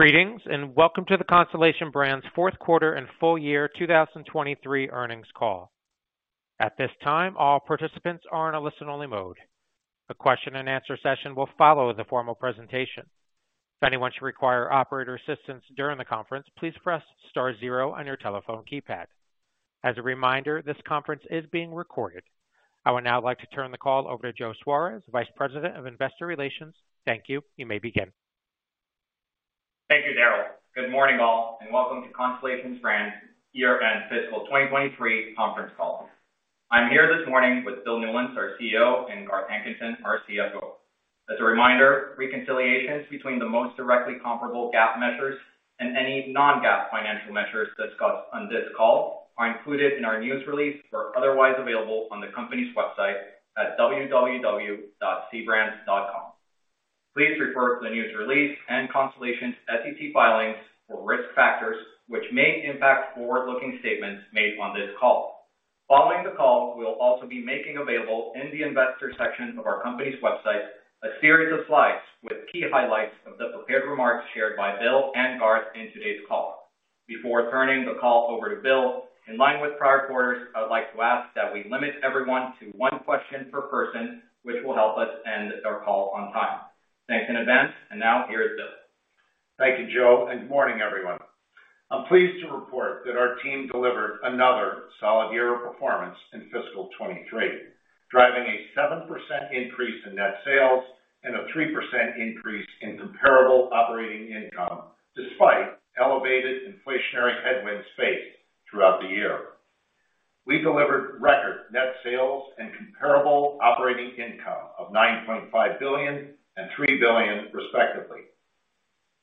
Greetings, welcome to the Constellation Brands Fourth Quarter and Full Year 2023 earnings call. At this time, all participants are in a listen-only mode. A question and answer session will follow the formal presentation. If anyone should require operator assistance during the conference, please press star 0 on your telephone keypad. As a reminder, this conference is being recorded. I would now like to turn the call over to Joe Suarez, Vice President of Investor Relations. Thank you. You may begin. Thank you, Darryl. Good morning, all, and welcome to Constellation Brands Year-End Fiscal 2023 conference call. I'm here this morning with Bill Newlands, our CEO, and Garth Hankinson, our CFO. As a reminder, reconciliations between the most directly comparable GAAP measures and any non-GAAP financial measures discussed on this call are included in our news release or otherwise available on the company's website at www.cbrands.com. Please refer to the news release and Constellation's SEC filings for risk factors, which may impact forward-looking statements made on this call. Following the call, we'll also be making available in the investor section of our company's website a series of slides with key highlights of the prepared remarks shared by Bill and Garth in today's call. Before turning the call over to Bill, in line with prior quarters, I would like to ask that we limit everyone to one question per person, which will help us end our call on time. Thanks in advance. Now, here is Bill. Thank you, Joe. Good morning, everyone. I'm pleased to report that our team delivered another solid year of performance in fiscal 2023, driving a 7% increase in net sales and a 3% increase in comparable operating income, despite elevated inflationary headwinds faced throughout the year. We delivered record net sales and comparable operating income of $9.5 billion and $3 billion, respectively.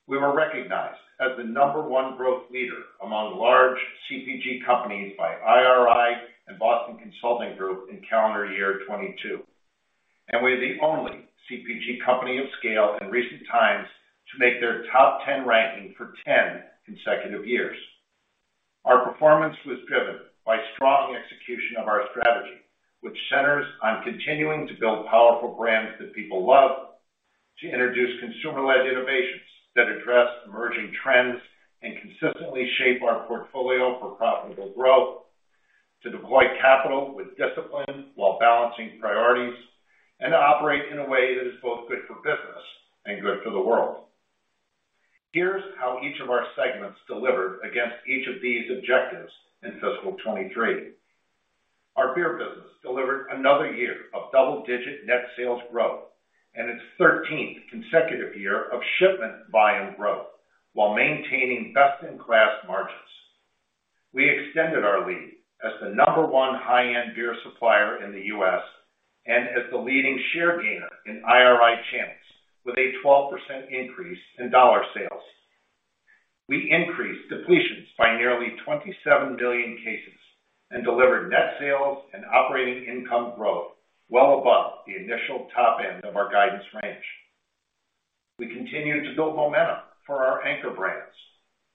We were recognized as the number one growth leader among large CPG companies by IRI and Boston Consulting Group in calendar year 2022, and we're the only CPG company of scale in recent times to make their top 10 ranking for 10 consecutive years. Our performance was driven by strong execution of our strategy, which centers on continuing to build powerful brands that people love, to introduce consumer-led innovations that address emerging trends and consistently shape our portfolio for profitable growth, to deploy capital with discipline while balancing priorities, and to operate in a way that is both good for business and good for the world. Here's how each of our segments delivered against each of these objectives in fiscal 2023. Our beer business delivered another year of double-digit net sales growth and its thirteenth consecutive year of shipment volume growth, while maintaining best-in-class margins. We extended our lead as the number one high-end beer supplier in the U.S., and as the leading share gainer in IRI channels, with a 12% increase in dollar sales. We increased depletions by nearly 27 million cases and delivered net sales and operating income growth well above the initial top end of our guidance range. We continue to build momentum for our anchor brands.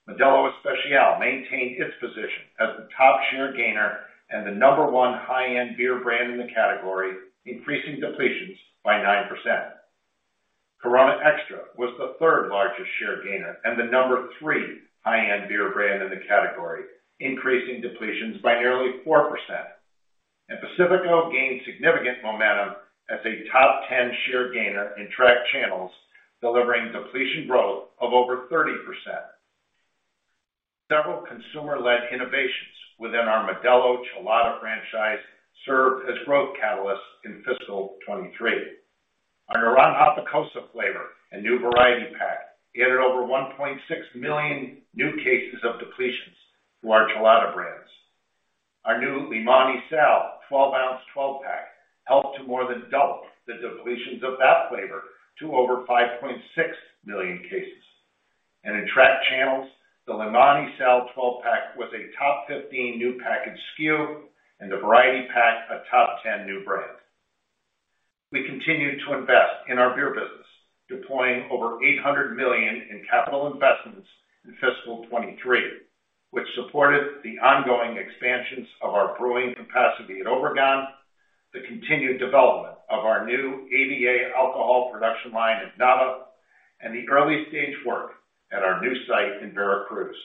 Modelo Especial maintained its position as the top share gainer and the number one high-end beer brand in the category, increasing depletions by 9%. Corona Extra was the third-largest share gainer and the number three high-end beer brand in the category, increasing depletions by nearly 4%. Pacífico gained significant momentum as a top 10 share gainer in tracked channels, delivering depletion growth of over 30%. Several consumer-led innovations within our Modelo Chelada franchise served as growth catalysts in fiscal 2023. Our Arándano Gose flavor and new variety pack added over 1.6 million new cases of depletions to our Chelada brands. Our new Limón y Sal 12-ounce 12-pack helped to more than double the depletions of that flavor to over 5.6 million cases. In tracked channels, the Limón y Sal 12-pack was a top-15 new package SKU and the variety pack a top 10 new brand. We continue to invest in our beer business, deploying over $800 million in capital investments in fiscal 2023, which supported the ongoing expansions of our brewing capacity at Obregón, the continued development of our new ABA alcohol production line at Nava, and the early stage work at our new site in Veracruz.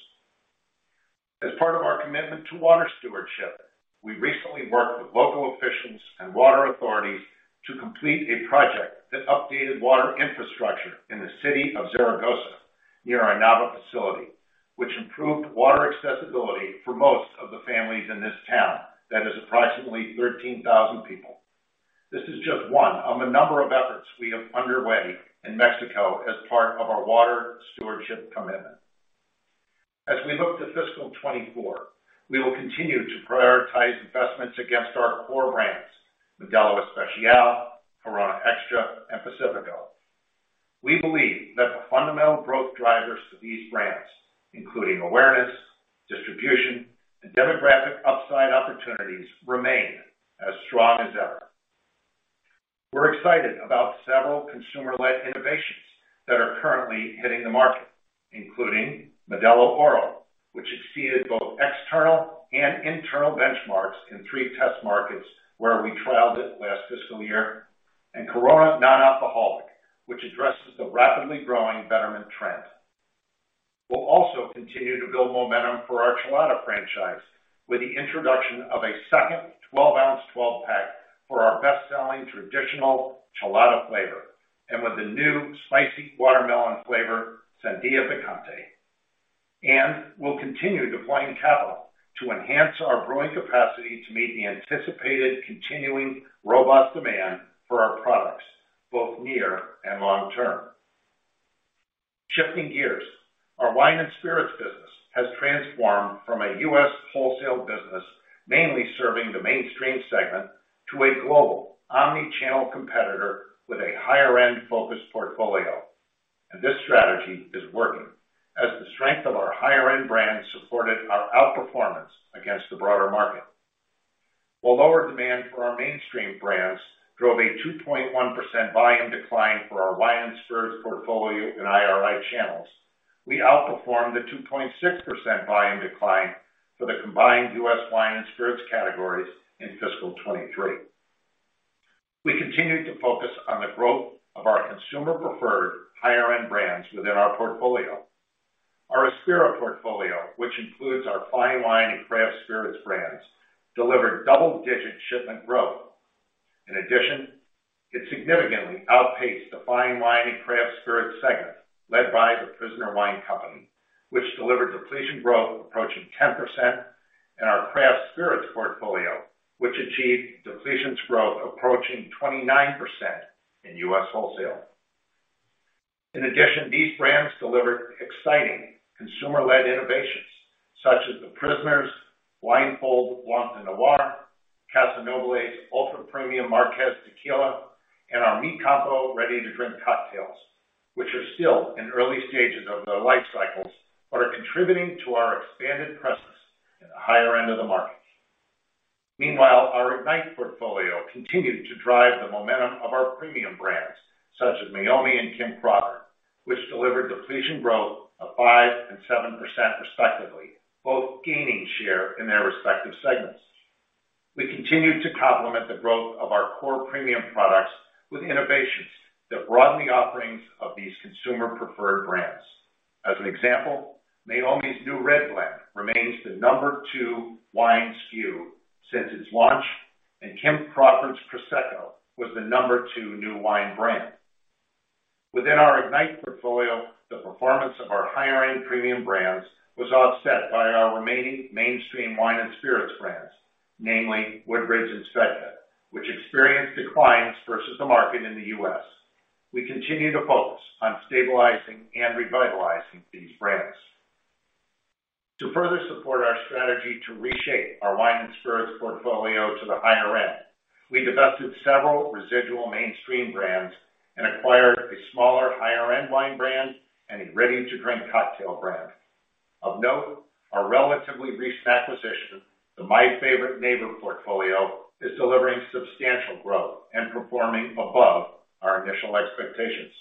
As part of our commitment to water stewardship, we recently worked with local officials and water authorities to complete a project that updated water infrastructure in the city of Zaragoza, near our Nava facility, which improved water accessibility for most of the families in this town that is approximately 13,000 people. This is just one of a number of efforts we have underway in Mexico as part of our water stewardship commitment. As we look to fiscal 2024, we will continue to prioritize investments against our core brands, Modelo Especial, Corona Extra, and Pacífico. We believe that the fundamental growth drivers for these brands, including awareness, distribution, and demographic upside opportunities, remain as strong as ever. We're excited about several consumer-led innovations that are currently hitting the market, including Modelo Oro, which exceeded both external and internal benchmarks in three test markets where we trialed it last fiscal year, and Corona Nonalcoholic, which addresses the rapidly growing betterment trend. We'll also continue to build momentum for our Chelada franchise with the introduction of a second 12-ounce 12-pack for our best-selling traditional Chelada flavor, and with the new spicy watermelon flavor, Sandía Picante. We'll continue deploying capital to enhance our brewing capacity to meet the anticipated continuing robust demand for our products, both near and long term. Shifting gears. Our wine and spirits business has transformed from a U.S. wholesale business, mainly serving the mainstream segment, to a global omni-channel competitor with a higher-end focused portfolio. This strategy is working, as the strength of our higher-end brands supported our outperformance against the broader market. Lower demand for our mainstream brands drove a 2.1% volume decline for our wine and spirits portfolio in IRI channels, we outperformed the 2.6% volume decline for the combined U.S. wine and spirits categories in fiscal 2023. We continued to focus on the growth of our consumer-preferred higher-end brands within our portfolio. Our Aspira portfolio, which includes our fine wine and craft spirits brands, delivered double-digit shipment growth. In addition, it significantly outpaced the fine wine and craft spirits segment, led by The Prisoner Wine Company, which delivered depletion growth approaching 10%, and our craft spirits portfolio, which achieved depletions growth approaching 29% in U.S. wholesale. In addition, these brands delivered exciting consumer-led innovations, such as The Prisoner's Blindfold Blanc de Noir, Casa Noble's Ultra Premium Marqués Tequila, and our Mi Campo ready-to-drink cocktails, which are still in early stages of their life cycles, but are contributing to our expanded presence in the higher end of the market. Meanwhile, our Ignite portfolio continued to drive the momentum of our premium brands, such as Meiomi and Kim Crawford, which delivered depletion growth of 5% and 7% respectively, both gaining share in their respective segments. We continued to complement the growth of our core premium products with innovations that broaden the offerings of these consumer-preferred brands. As an example, Meiomi's new red blend remains the number two wine SKU since its launch, and Kim Crawford's Prosecco was the number two new wine brand. Within our Ignite portfolio, the performance of our higher-end premium brands was offset by our remaining mainstream wine and spirits brands, namely Woodbridge and SVEDKA, which experienced declines versus the market in the U.S. We continue to focus on stabilizing and revitalizing these brands. To further support our strategy to reshape our wine and spirits portfolio to the higher end, we divested several residual mainstream brands and acquired a smaller, higher-end wine brand and a ready-to-drink cocktail brand. Of note, our relatively recent acquisition, the My Favorite Neighbor portfolio, is delivering substantial growth and performing above our initial expectations.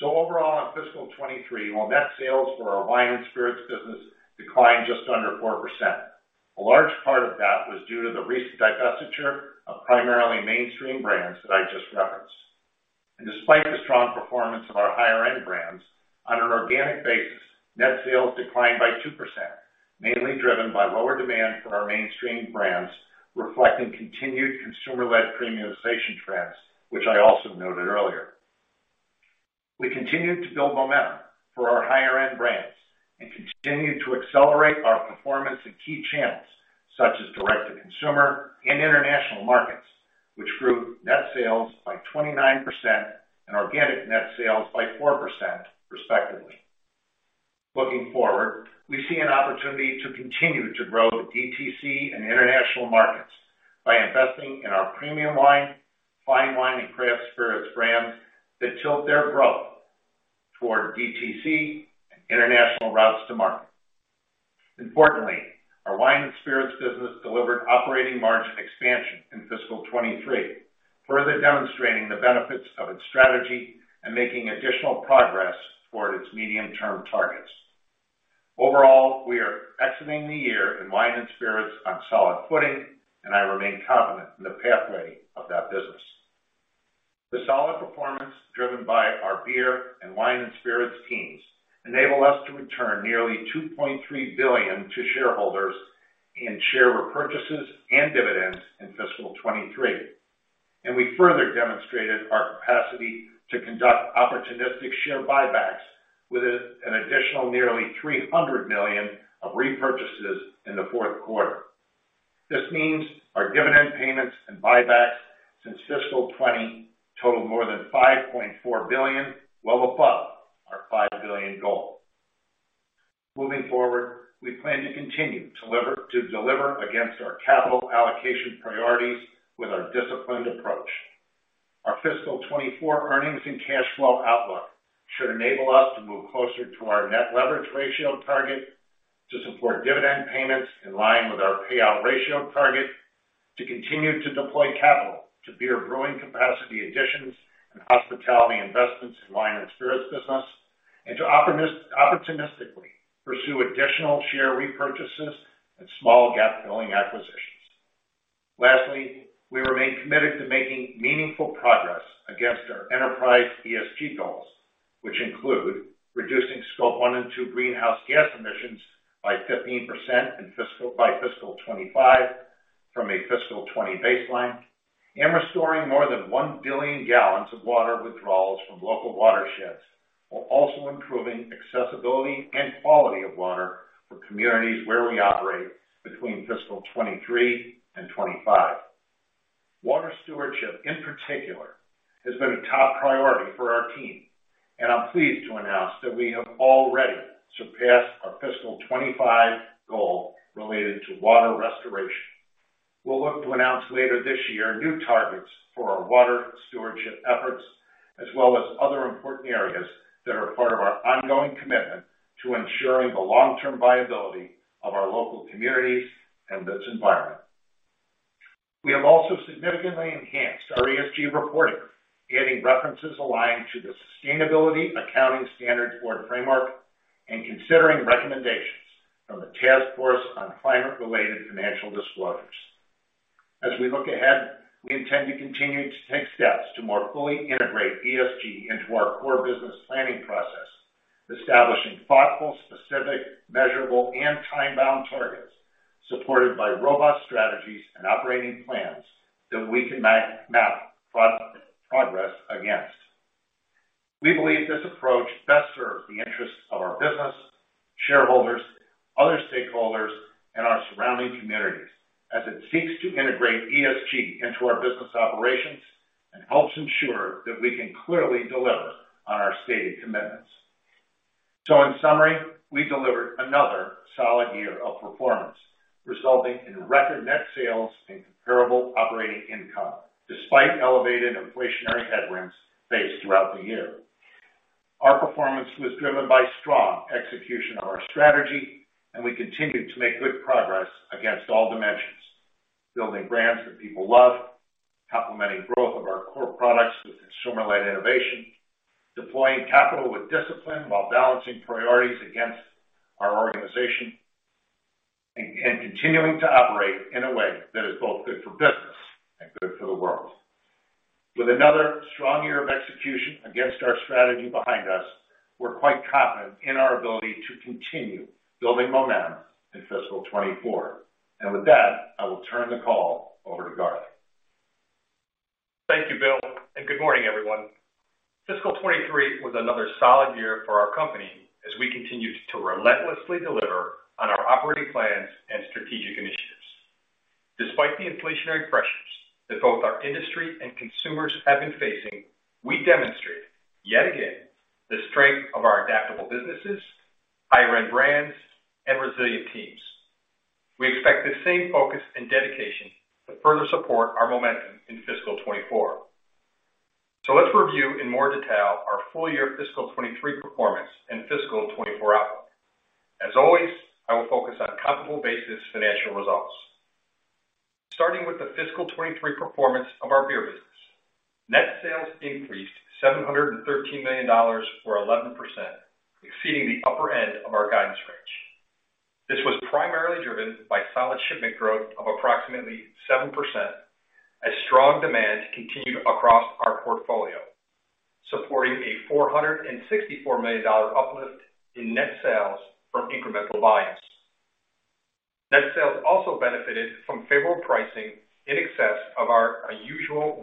Overall, in fiscal 2023, while net sales for our wine and spirits business declined just under 4%, a large part of that was due to the recent divestiture of primarily mainstream brands that I just referenced. Despite the strong performance of our higher-end brands, on an organic basis, net sales declined by 2%, mainly driven by lower demand for our mainstream brands, reflecting continued consumer-led premiumization trends, which I also noted earlier. We continued to build momentum for our higher-end brands and continued to accelerate our performance in key channels, such as direct-to-consumer and international markets, which grew net sales by 29% and organic net sales by 4% respectively. Looking forward, we see an opportunity to continue to grow DTC in international markets by investing in our premium wine, fine wine, and craft spirits brands that tilt their growth toward DTC and international routes to market. Importantly, our wine and spirits business delivered operating margin expansion in fiscal 2023, further demonstrating the benefits of its strategy and making additional progress toward its medium-term targets. Overall, we are exiting the year in wine and spirits on solid footing, and I remain confident in the pathway of that business. The solid performance driven by our beer and wine and spirits teams enable us to return nearly $2.3 billion to shareholders in share repurchases and dividends in fiscal 2023. We further demonstrated our capacity to conduct opportunistic share buybacks with an additional nearly $300 million of repurchases in the fourth quarter. This means our dividend payments and buybacks since fiscal 2020 total more than $5.4 billion, well above our $5 billion goal. Moving forward, we plan to continue to deliver against our capital allocation priorities with our disciplined approach. Our fiscal 2024 earnings and cash flow outlook should enable us to move closer to our net leverage ratio target to support dividend payments in line with our payout ratio target. To continue to deploy capital to beer brewing capacity additions and hospitality investments in wine and spirits business, to opportunistically pursue additional share repurchases and small gap-filling acquisitions. Lastly, we remain committed to making meaningful progress against our enterprise ESG goals, which include reducing Scope 1 and Scope 2 greenhouse gas emissions by 15% by fiscal 2025 from a fiscal 2020 baseline, and restoring more than 1 billion gal of water withdrawals from local watersheds, while also improving accessibility and quality of water for communities where we operate between fiscal 2023 and 2025. Water stewardship, in particular, has been a top priority for our team. I'm pleased to announce that we have already surpassed our fiscal 2025 goal related to water restoration. We'll look to announce later this year, new targets for our water stewardship efforts, as well as other important areas that are part of our ongoing commitment to ensuring the long-term viability of our local communities and this environment. We have also significantly enhanced our ESG reporting, adding references aligned to the Sustainability Accounting Standards Board framework and considering recommendations from the Task Force on Climate-related Financial Disclosures. As we look ahead, we intend to continue to take steps to more fully integrate ESG into our core business planning process, establishing thoughtful, specific, measurable, and time-bound targets supported by robust strategies and operating plans that we can map progress against. We believe this approach best serves the interests of our business, shareholders, other stakeholders, and our surrounding communities as it seeks to integrate ESG into our business operations and helps ensure that we can clearly deliver on our stated commitments. In summary, we delivered another solid year of performance, resulting in record net sales and comparable operating income, despite elevated inflationary headwinds faced throughout the year. Our performance was driven by strong execution of our strategy, and we continued to make good progress against all dimensions. Building brands that people love, complementing growth of our core products with consumer-led innovation, deploying capital with discipline while balancing priorities against our organization, and continuing to operate in a way that is both good for business and good for the world. With another strong year of execution against our strategy behind us, we're quite confident in our ability to continue building momentum in fiscal 2024. With that, I will turn the call over to Garth. Thank you, Bill. Good morning, everyone. Fiscal 2023 was another solid year for our company as we continued to relentlessly deliver on our operating plans and strategic initiatives. Despite the inflationary pressures that both our industry and consumers have been facing, we demonstrated, yet again, the strength of our adaptable businesses, higher-end brands, and resilient teams. We expect the same focus and dedication to further support our momentum in fiscal 2024. Let's review in more detail our full-year fiscal 2023 performance and fiscal 2024 outlook. As always, I will focus on comparable basis financial results. Starting with the fiscal 2023 performance of our beer business. Net sales increased $713 million or 11%, exceeding the upper end of our guidance range. This was primarily driven by solid shipment growth of approximately 7%, as strong demand continued across our portfolio, supporting a $464 million uplift in net sales from incremental volumes. Net sales also benefited from favorable pricing in excess of our usual 1%-2%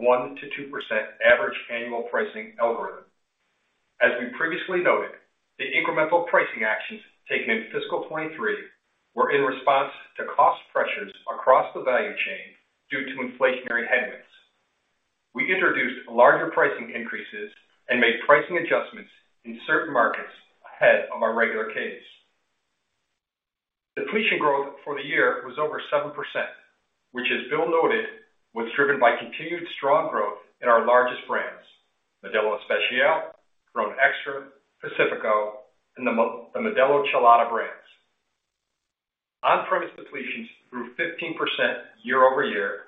average annual pricing algorithm. As we previously noted, the incremental pricing actions taken in fiscal 2023 were in response to cost pressures across the value chain due to inflationary headwinds. We introduced larger pricing increases and made pricing adjustments in certain markets ahead of our regular case. Depletion growth for the year was over 7%, which, as Bill Newlands noted, was driven by continued strong growth in our largest brands, Modelo Especial, Corona Extra, Pacífico, and the Modelo Chelada brands. On-premise depletions grew 15% year-over-year,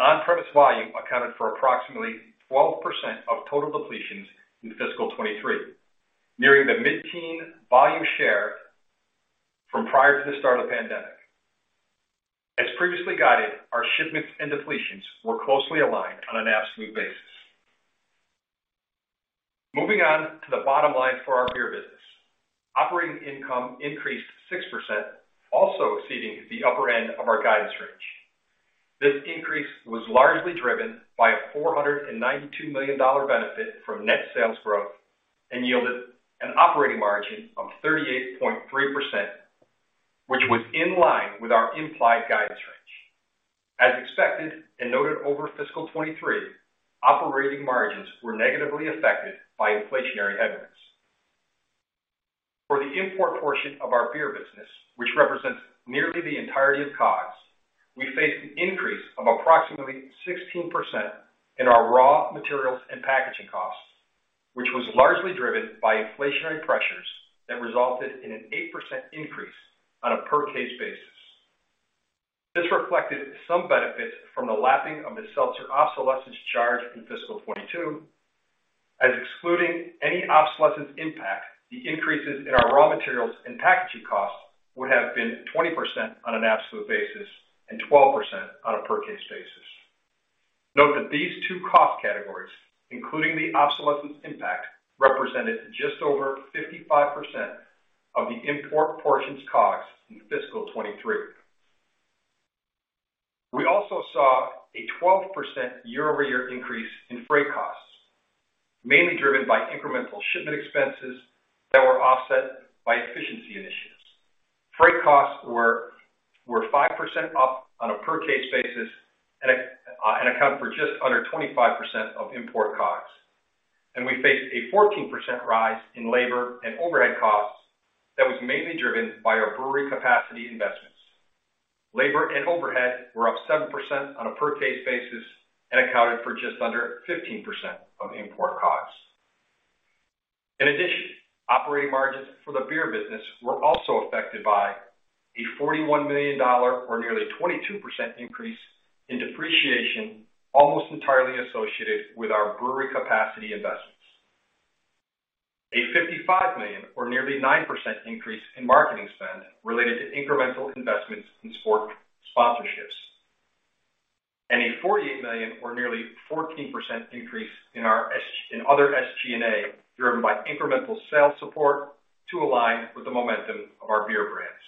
on-premise volume accounted for approximately 12% of total depletions in fiscal 2023, nearing the mid-teen volume share from prior to the start of the pandemic. As previously guided, our shipments and depletions were closely aligned on an absolute basis. Moving on to the bottom line for our beer business. Operating income increased 6%, also exceeding the upper end of our guidance range. This increase was largely driven by a $492 million benefit from net sales growth and yielded an operating margin of 38.3%, which was in line with our implied guidance range. As expected and noted over fiscal 2023, operating margins were negatively affected by inflationary headwinds. For the import portion of our beer business, which represents nearly the entirety of COGS, we faced an increase of approximately 16% in our raw materials and packaging costs. Which was largely driven by inflationary pressures that resulted in an 8% increase on a per case basis. This reflected some benefit from the lapping of the seltzer obsolescence charge in fiscal 2022, as excluding any obsolescence impact, the increases in our raw materials and packaging costs would have been 20% on an absolute basis and 12% on a per case basis. Note that these two cost categories, including the obsolescence impact, represented just over 55% of the import portions costs in fiscal 2023. We also saw a 12% year-over-year increase in freight costs, mainly driven by incremental shipment expenses that were offset by efficiency initiatives. Freight costs were 5% up on a per case basis and account for just under 25% of import costs. We faced a 14% rise in labor and overhead costs that was mainly driven by our brewery capacity investments. Labor and overhead were up 7% on a per case basis and accounted for just under 15% of import costs. In addition, operating margins for the beer business were also affected by a $41 million or nearly 22% increase in depreciation, almost entirely associated with our brewery capacity investments. A $55 million or nearly 9% increase in marketing spend related to incremental investments in sport sponsorships. A $48 million or nearly 14% increase in our other SG&A, driven by incremental sales support to align with the momentum of our beer brands.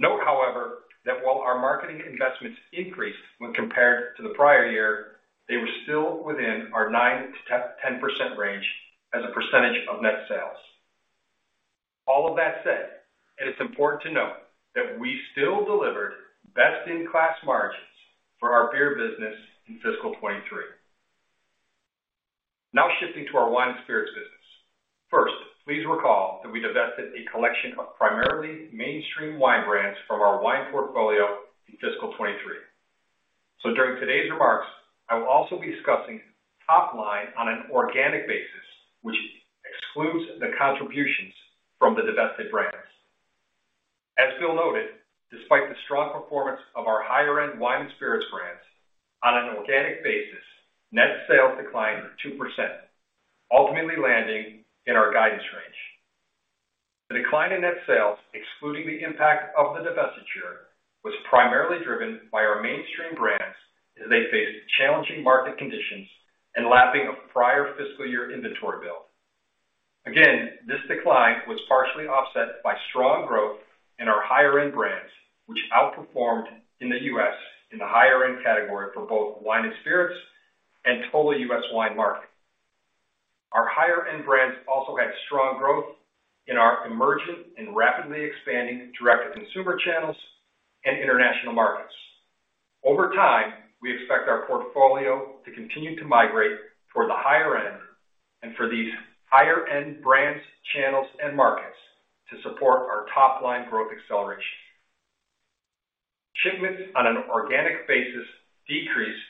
Note, however, that while our marketing investments increased when compared to the prior year, they were still within our 9%-10% range as a percentage of net sales. All of that said, it is important to note that we still delivered best-in-class margins for our beer business in fiscal 2023. Shifting to our wine and spirits business. First, please recall that we divested a collection of primarily mainstream wine brands from our wine portfolio in fiscal 2023. During today's remarks, I will also be discussing top line on an organic basis, which excludes the contributions from the divested brands. As Bill noted, despite the strong performance of our higher-end wine and spirits brands, on an organic basis, net sales declined 2%, ultimately landing in our guidance range. The decline in net sales, excluding the impact of the divestiture, was primarily driven by our mainstream brands as they faced challenging market conditions and lapping of prior fiscal year inventory build. This decline was partially offset by strong growth in our higher end brands, which outperformed in the U.S. in the higher-end category for both wine and spirits and total U.S. wine market. Our higher-end brands also had strong growth in our emergent and rapidly expanding direct-to-consumer channels and international markets. Over time, we expect our portfolio to continue to migrate toward the higher-end and for these higher-end brands, channels, and markets to support our top-line growth acceleration. Shipments on an organic basis decreased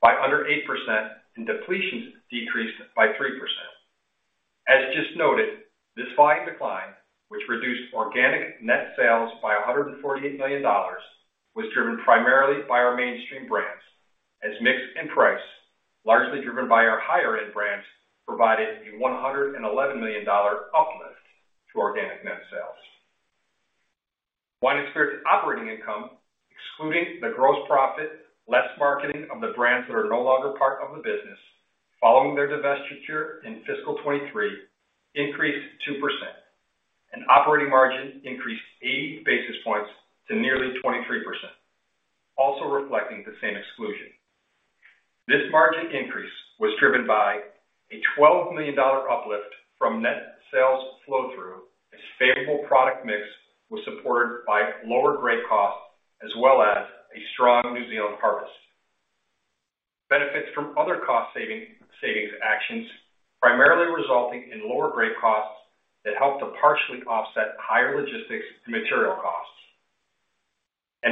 by under 8% and depletions decreased by 3%. As just noted, this volume decline, which reduced organic net sales by $148 million, was driven primarily by our mainstream brands as mix and price, largely driven by our higher-end brands, provided a $111 million uplift to organic net sales. Wine and spirits operating income, excluding the gross profit, less marketing of the brands that are no longer part of the business following their divestiture in fiscal 2023, increased 2%, and operating margin increased 80 basis points to nearly 23%, also reflecting the same exclusion. This margin increase was driven by a $12 million uplift from net sales flow-through as favorable product mix was supported by lower grape costs as well as a strong New Zealand harvest. Benefits from other cost-saving actions, primarily resulting in lower grape costs that helped to partially offset higher logistics and material costs.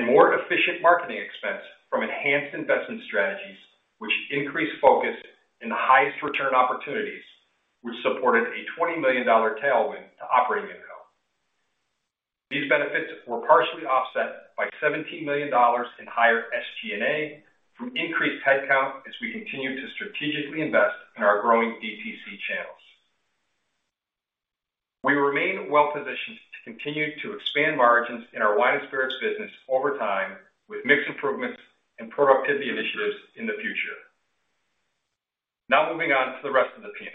More efficient marketing expense from enhanced investment strategies, which increased focus in the highest return opportunities, which supported a $20 million tailwind to operating income. These benefits were partially offset by $17 million in higher SG&A from increased headcount as we continue to strategically invest in our growing DTC channels. We remain well-positioned to continue to expand margins in our wine and spirits business over time with mix improvements and productivity initiatives in the future. Moving on to the rest of the P&L.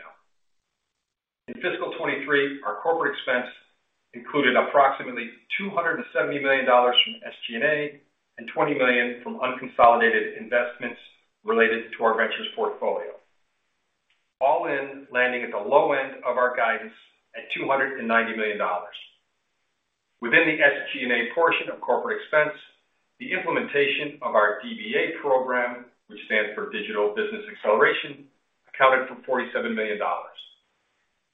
In fiscal 2023, our corporate expense included approximately $270 million from SG&A and $20 million from unconsolidated investments related to our ventures portfolio. All in, landing at the low end of our guidance at $290 million. Within the SG&A portion of corporate expense, the implementation of our DBA program, which stands for Digital Business Acceleration, accounted for $47 million.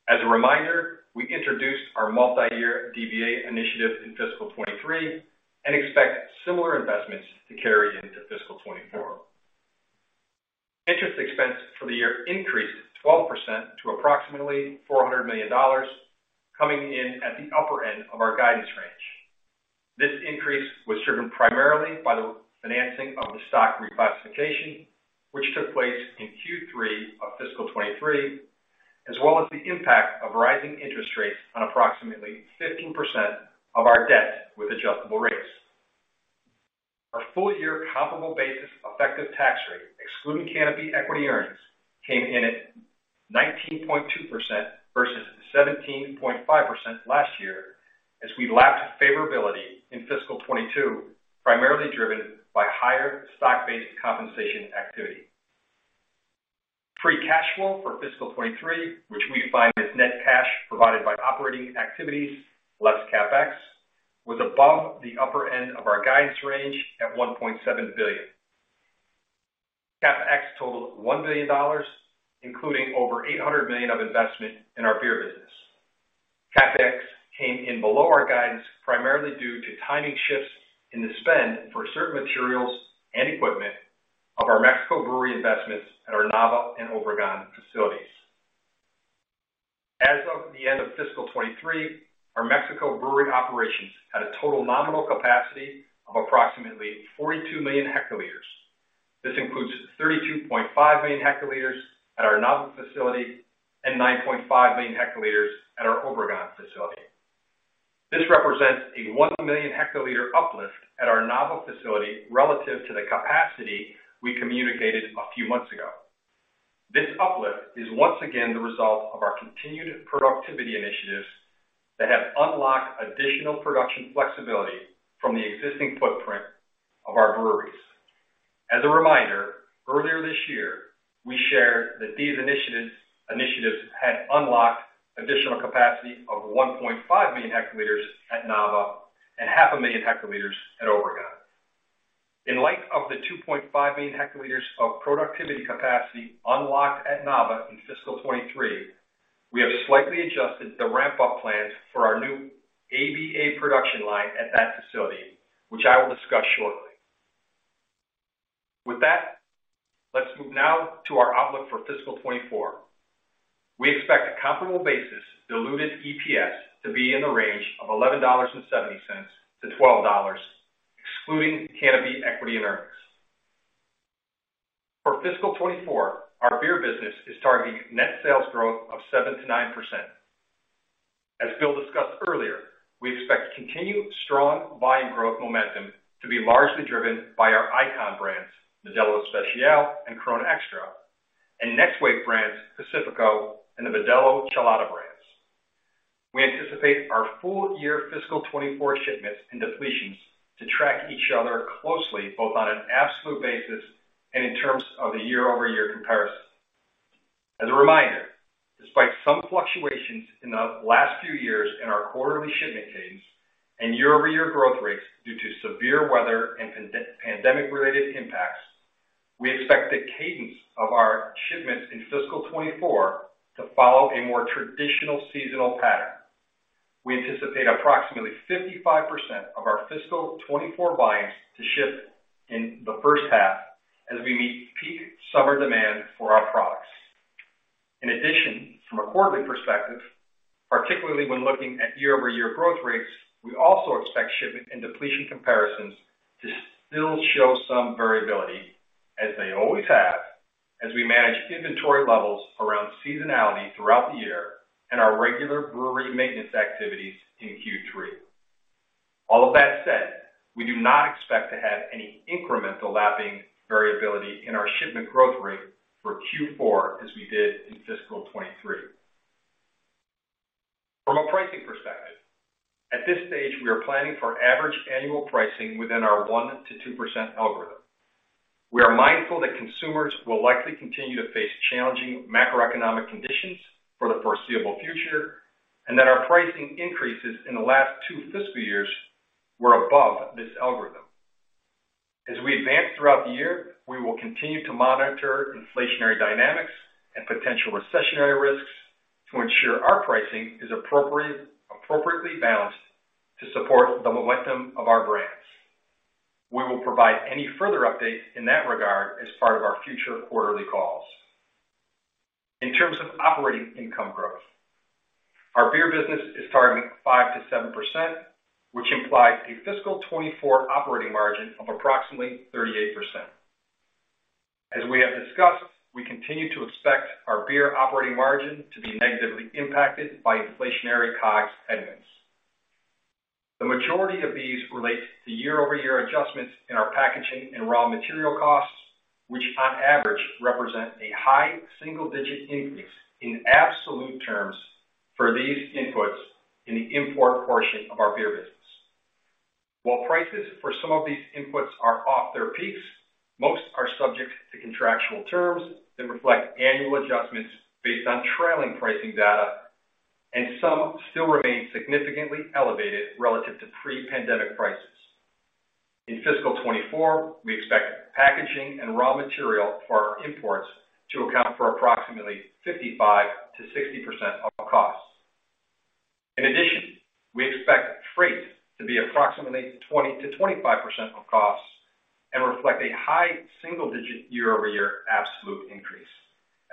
As a reminder, we introduced our multi-year DBA initiative in fiscal 2023 and expect similar investments to carry into fiscal 2024. Interest expense for the year increased 12% to approximately $400 million, coming in at the upper end of our guidance range. This increase was driven primarily by the financing of the stock reclassification, which took place in Q3 of fiscal 2023, as well as the impact of rising interest rates on approximately 15% of our debt with adjustable rates. Our full-year comparable basis effective tax rate, excluding Canopy equity earnings, came in at 19.2% versus 17.5% last year as we lapsed favorability in fiscal 2022, primarily driven by higher stock-based compensation activity. Free cash flow for fiscal 2023, which we define as net cash provided by operating activities, less CapEx, was above the upper end of our guidance range at $1.7 billion. CapEx totaled $1 billion, including over $800 million of investment in our beer business. CapEx came in below our guidance, primarily due to timing shifts in the spend for certain materials and equipment of our Mexico brewery investments at our Nava and Obregón facilities. As of the end of fiscal 2023, our Mexico brewery operations had a total nominal capacity of approximately 42 million hectoliters. This includes 32.5 million hectoliters at our Nava facility and 9.5 million hectoliters at our Obregón facility. This represents a 1 million hectoliter uplift at our Nava facility relative to the capacity we communicated a few months ago. This uplift is once again the result of our continued productivity initiatives that have unlocked additional production flexibility from the existing footprint of our breweries. As a reminder, earlier this year, we shared that these initiatives had unlocked additional capacity of 1.5 million hectoliters at Nava and 0.5 million hectoliters at Obregón. In light of the 2.5 million hectoliters of productivity capacity unlocked at Nava in fiscal 2023, we have slightly adjusted the ramp-up plans for our new ABA production line at that facility, which I will discuss shortly. With that, let's move now to our outlook for fiscal 2024. We expect a comparable basis diluted EPS to be in the range of $11.70-$12.00, excluding Canopy equity and earnings. For fiscal 2024, our beer business is targeting net sales growth of 7%-9%. As Bill discussed earlier, we expect continued strong volume growth momentum to be largely driven by our Icon brands, Modelo Especial and Corona Extra, and NextWave brands, Pacífico and the Modelo Chelada brands. We anticipate our full-year fiscal 2024 shipments and depletions to track each other closely, both on an absolute basis and in terms of the year-over-year comparison. As a reminder, despite some fluctuations in the last few years in our quarterly shipment cadence and year-over-year growth rates due to severe weather and pandemic-related impacts, we expect the cadence of our shipments in fiscal 2024 to follow a more traditional seasonal pattern. We anticipate approximately 55% of our fiscal 2024 volumes to ship in the first half as we meet peak summer demand for our products. In addition, from a quarterly perspective, particularly when looking at year-over-year growth rates, we also expect shipment and depletion comparisons to still show some variability as they always have, as we manage inventory levels around seasonality throughout the year and our regular brewery maintenance activities in Q3. All of that said, we do not expect to have any incremental lapping variability in our shipment growth rate for Q4 as we did in fiscal 2023. From a pricing perspective, at this stage, we are planning for average annual pricing within our 1%-2% algorithm. We are mindful that consumers will likely continue to face challenging macroeconomic conditions for the foreseeable future, and that our pricing increases in the last two fiscal years were above this algorithm. As we advance throughout the year, we will continue to monitor inflationary dynamics and potential recessionary risks to ensure our pricing is appropriately balanced to support the momentum of our brands. We will provide any further updates in that regard as part of our future quarterly calls. In terms of operating income growth, our beer business is targeting 5%-7%, which implies a fiscal 2024 operating margin of approximately 38%. As we have discussed, we continue to expect our beer operating margin to be negatively impacted by inflationary COGS headwinds. The majority of these relate to year-over-year adjustments in our packaging and raw material costs, which on average represent a high single-digit increase in absolute terms for these inputs in the import portion of our beer business. While prices for some of these inputs are off their peaks, most are subject to contractual terms that reflect annual adjustments based on trailing pricing data, some still remain significantly elevated relative to pre-pandemic prices. In fiscal 2024, we expect packaging and raw material for our imports to account for approximately 55%-60% of costs. In addition, we expect freight to be approximately 20%-25% of costs and reflect a high single-digit year-over-year absolute increase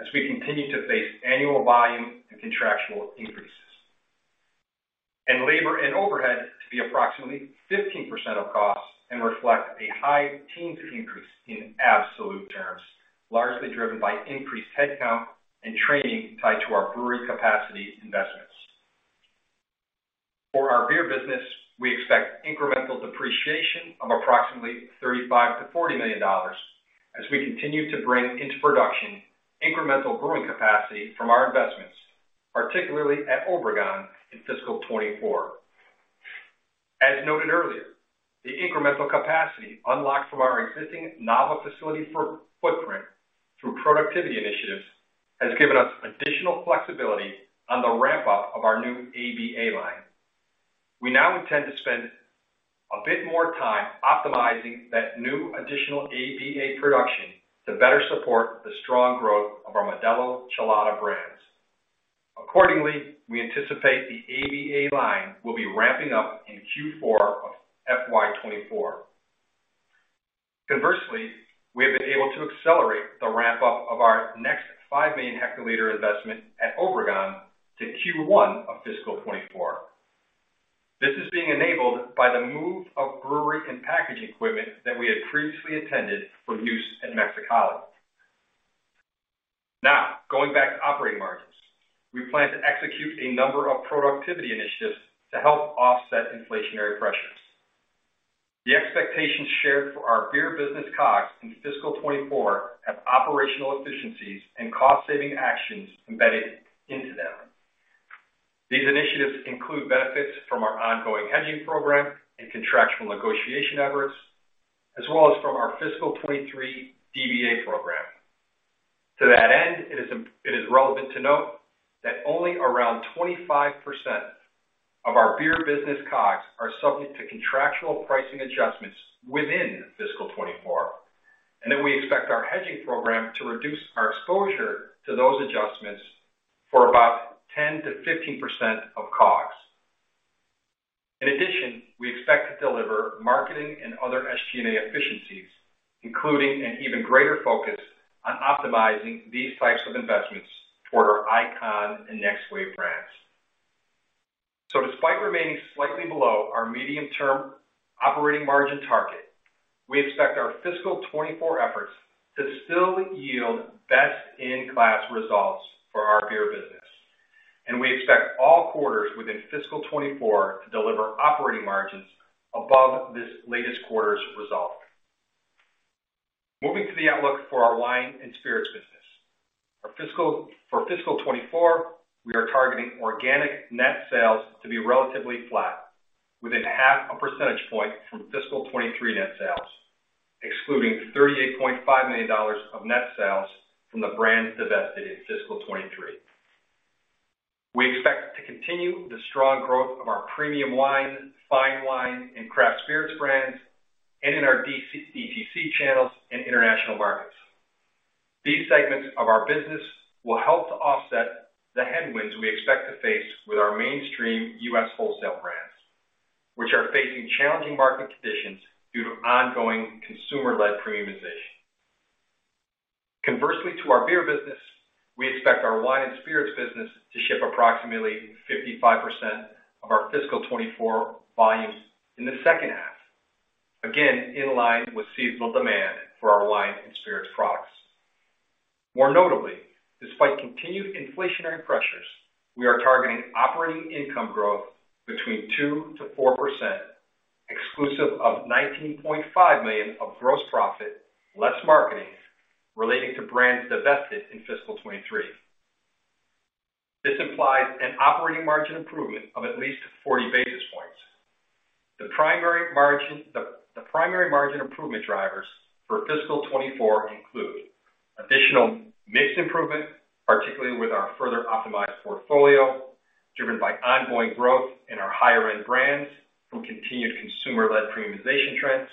as we continue to face annual volume and contractual increases. Labor and overhead to be approximately 15% of costs and reflect a high-teens increase in absolute terms, largely driven by increased headcount and training tied to our brewery capacity investments. For our beer business, we expect incremental depreciation of approximately $35 million-$40 million as we continue to bring into production incremental brewing capacity from our investments, particularly at Obregón in fiscal 2024. As noted earlier, the incremental capacity unlocked from our existing Nava facility for footprint through productivity initiatives has given us additional flexibility on the ramp-up of our new ABA line. We now intend to spend a bit more time optimizing that new additional ABA production to better support the strong growth of our Modelo Chelada brands. Accordingly, we anticipate the ABA line will be ramping up in Q4 of FY 2024. Conversely, we have been able to accelerate the ramp-up of our next 5 million hectoliter investment at Obregón to Q1 of fiscal 2024. This is being enabled by the move of brewery and packaging equipment that we had previously intended for use in Mexicali. Going back to operating margins. We plan to execute a number of productivity initiatives to help offset inflationary pressures. The expectations shared for our beer business COGS in fiscal 2024 have operational efficiencies and cost-saving actions embedded into them. These initiatives include benefits from our ongoing hedging program and contractual negotiation efforts, as well as from our fiscal 2023 DBA program. To that end, it is relevant to note that only around 25% of our beer business COGS are subject to contractual pricing adjustments within fiscal 2024, and that we expect our hedging program to reduce our exposure to those adjustments for about 10%-15% of COGS. In addition, we expect to deliver marketing and other SG&A efficiencies, including an even greater focus on optimizing these types of investments toward our Icon and Next Wave brands. Despite remaining slightly below our medium-term operating margin target, we expect our fiscal 2024 efforts to still yield best-in-class results for our beer business, and we expect all quarters within fiscal 2024 to deliver operating margins above this latest quarter's result. Moving to the outlook for our wine and spirits business. For fiscal 2024, we are targeting organic net sales to be relatively flat within 0.5 percentage point from fiscal 2023 net sales, excluding $38.5 million of net sales from the brands divested in fiscal 2023. We expect to continue the strong growth of our premium wine, fine wine, and craft spirits brands, and in our DTC channels and international markets. These segments of our business will help to offset the headwinds we expect to face with our mainstream U.S. wholesale brands, which are facing challenging market conditions due to ongoing consumer-led premiumization. Conversely to our beer business, we expect our wine and spirits business to ship approximately 55% of our fiscal 2024 volumes in the second half. In line with seasonal demand for our wine and spirits products. More notably, despite continued inflationary pressures, we are targeting operating income growth between 2%-4%, exclusive of $19.5 million of gross profit, less marketing relating to brands divested in fiscal 2023. This implies an operating margin improvement of at least 40 basis points. The primary margin improvement drivers for fiscal 2024 include additional mix improvement, particularly with our further optimized portfolio, driven by ongoing growth in our higher-end brands from continued consumer-led premiumization trends,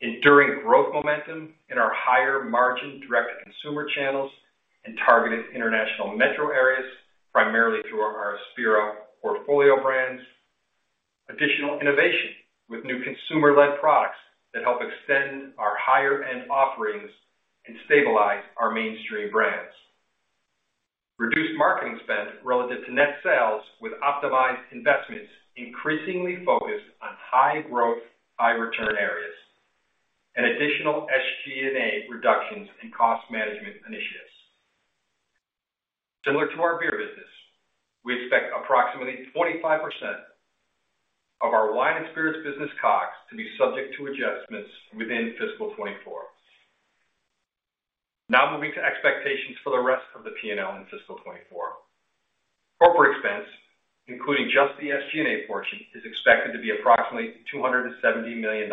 enduring growth momentum in our higher margin direct-to-consumer channels and targeted international metro areas, primarily through our Aspira portfolio brands. Additional innovation with new consumer-led products that help extend our higher end offerings and stabilize our mainstream brands. Reduced marketing spend relative to net sales with optimized investments increasingly focused on high growth, high return areas. Additional SG&A reductions and cost management initiatives. Similar to our beer business, we expect approximately 25% of our wine and spirits business COGS to be subject to adjustments within fiscal 2024. Moving to expectations for the rest of the P&L in fiscal 2024. Corporate expense, including just the SG&A portion, is expected to be approximately $270 million.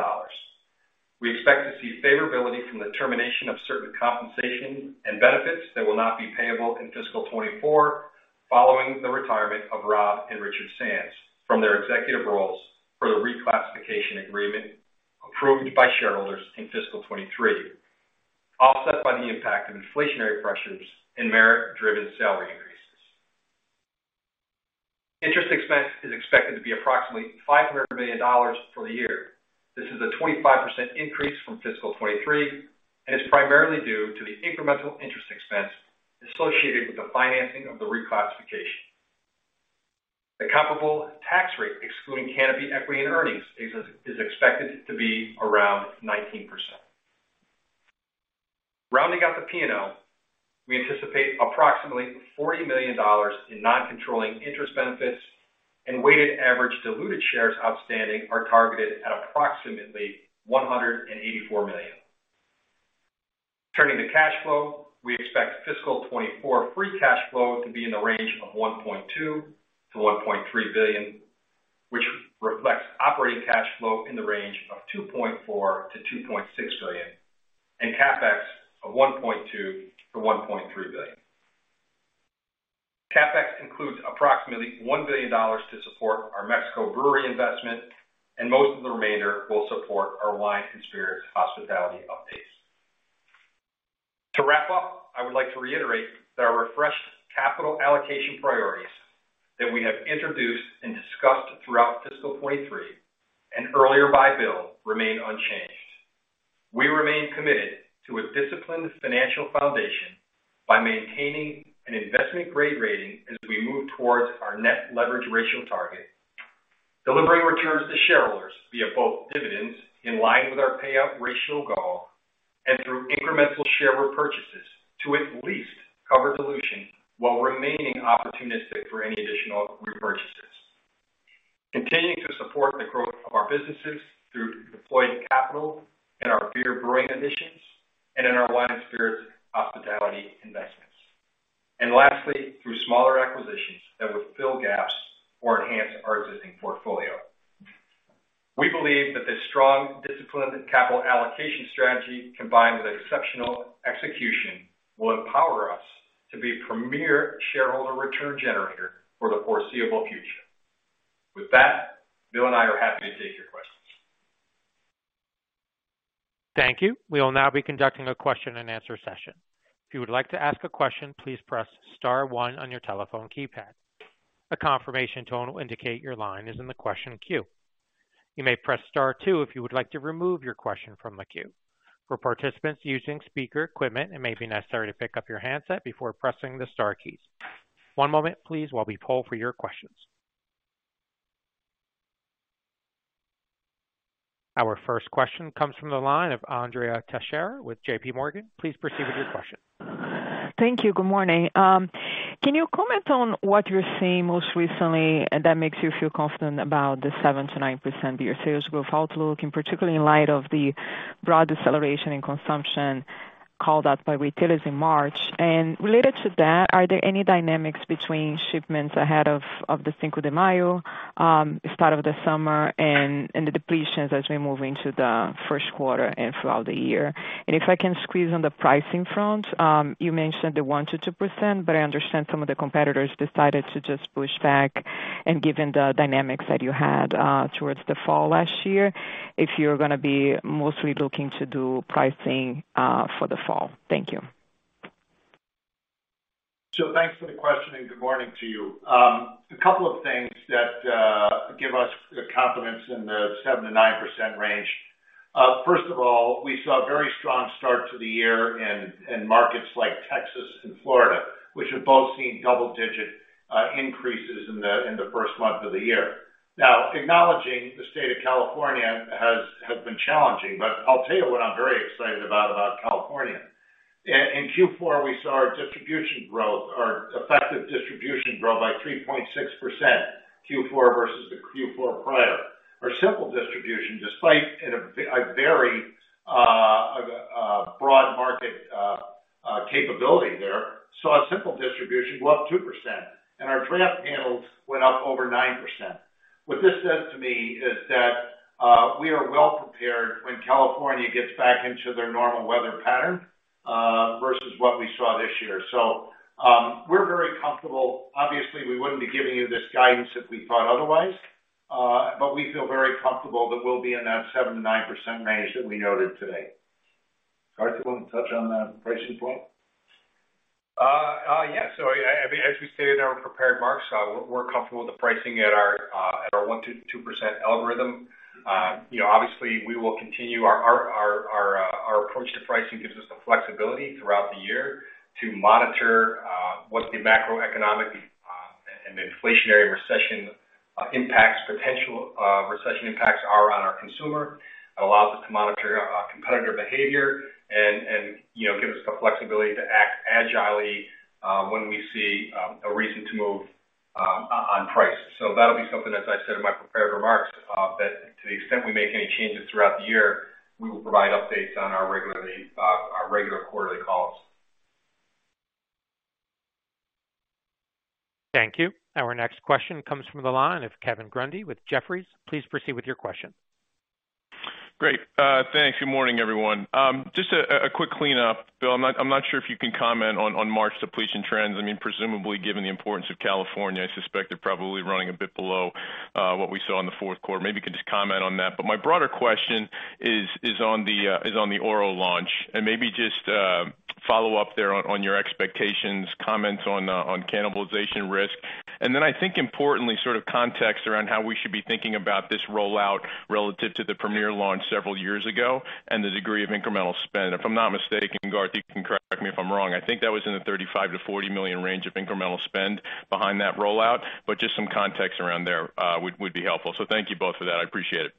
We expect to see favorability from the termination of certain compensation and benefits that will not be payable in fiscal 2024 following the retirement of Rob and Richard Sands from their executive roles for the reclassification agreement approved by shareholders in fiscal 2023, offset by the impact of inflationary pressures and merit-driven salary increases. Interest expense is expected to be approximately $500 million for the year. This is a 25% increase from fiscal 2023 and is primarily due to the incremental interest expense associated with the financing of the reclassification. The comparable tax rate, excluding Canopy equity and earnings, is expected to be around 19%. Rounding out the P&L, we anticipate approximately $40 million in non-controlling interest benefits and weighted average diluted shares outstanding are targeted at approximately 184 million. Turning to cash flow, we expect fiscal 2024 free cash flow to be in the range of $1.2 billion-$1.3 billion, which reflects operating cash flow in the range of $2.4 billion-$2.6 billion and CapEx of $1.2 billion-$1.3 billion. CapEx includes approximately $1 billion to support our Mexico brewery investment, most of the remainder will support our wine and spirits hospitality updates. To wrap up, I would like to reiterate that our refreshed capital allocation priorities that we have introduced and discussed throughout fiscal 2023 and earlier by Bill remain unchanged. We remain committed to a disciplined financial foundation by maintaining an investment-grade rating as we move towards our net leverage ratio target. Delivering returns to shareholders via both dividends in line with our payout ratio goal and through incremental share repurchases to at least cover dilution while remaining opportunistic for any additional repurchases. Continuing to support the growth of our businesses through deployed capital in our beer brewing ambitions and in our wine and spirits hospitality investments. Lastly, through smaller acquisitions that would fill gaps or enhance our existing portfolio. We believe that this strong, disciplined capital allocation strategy, combined with exceptional execution, will empower us to be a premier shareholder return generator for the foreseeable future. With that, Bill and I are happy to take your questions. Thank you. We will now be conducting a question-and-answer session. If you would like to ask a question, please press star one on your telephone keypad. A confirmation tone will indicate your line is in the question queue. You may press star two if you would like to remove your question from the queue. For participants using speaker equipment, it may be necessary to pick up your handset before pressing the star keys. One moment please, while we poll for your questions. Our first question comes from the line of Andrea Teixeira with JPMorgan. Please proceed with your question. Thank you. Good morning. Can you comment on what you're seeing most recently that makes you feel confident about the 7%-9% beer sales growth outlook, particularly in light of the broad deceleration in consumption called out by retailers in March? Related to that, are there any dynamics between shipments ahead of the Cinco de Mayo start of the summer and the depletions as we move into the first quarter and throughout the year? If I can squeeze on the pricing front, you mentioned the 1%-2%, I understand some of the competitors decided to just push back. Given the dynamics that you had towards the fall last year, if you're gonna be mostly looking to do pricing for the fall. Thank you. Thanks for the question and good morning to you. A couple of things that give us the confidence in the 7%-9% range. First of all, we saw a very strong start to the year in markets like Texas and Florida, which have both seen double-digit increases in the first month of the year. Acknowledging the state of California has been challenging, but I'll tell you what I'm very excited about California. In Q4, we saw our distribution growth or effective distribution grow by 3.6%, Q4 versus the Q4 prior. Our simple distribution, despite in a very broad market capability there, saw a simple distribution go up 2%, and our draft panels went up over 9%. What this says to me is that, we are well prepared when California gets back into their normal weather pattern, versus what we saw this year. We're very comfortable. Obviously, we wouldn't be giving you this guidance if we thought otherwise, but we feel very comfortable that we'll be in that 7% to 9% range that we noted today. Carter, you want to touch on the pricing point? Yeah. As we stated in our prepared remarks, we're comfortable with the pricing at our 1%-2% algorithm. You know, obviously we will continue our approach to pricing gives us the flexibility throughout the year to monitor what's the macroeconomic and the inflationary recession impacts potential recession impacts are on our consumer. It allows us to monitor competitor behavior and, you know, give us the flexibility to act agilely when we see a reason to move on price. That'll be something, as I said in my prepared remarks, that to the extent we make any changes throughout the year, we will provide updates on our regularly, our regular quarterly calls. Thank you. Our next question comes from the line of Kevin Grundy with Jefferies. Please proceed with your question. Great. Thanks. Good morning, everyone. Just a quick clean-up. Bill, I'm not sure if you can comment on March depletion trends. I mean, presumably, given the importance of California, I suspect they're probably running a bit below what we saw in the fourth quarter. Maybe you could just comment on that? My broader question is on the Oro launch, and maybe just follow up there on your expectations, comments on cannibalization risk. Then I think importantly, sort of context around how we should be thinking about this rollout relative to the Corona Premier launch several years ago and the degree of incremental spend? If I'm not mistaken, Garth, you can correct me if I'm wrong, I think that was in the $35 million-$40 million range of incremental spend behind that rollout, but just some context around there, would be helpful. Thank you both for that. I appreciate it.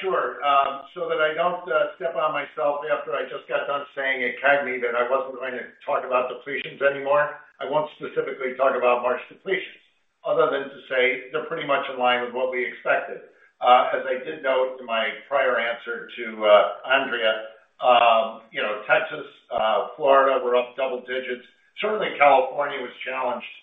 Sure. That I don't step on myself after I just got done saying at CAGNY that I wasn't going to talk about depletions anymore, I won't specifically talk about March depletions, other than to say they're pretty much in line with what we expected. As I did note in my prior answer to Andrea, you know, Texas and Florida were up double digits. Certainly, California was challenged,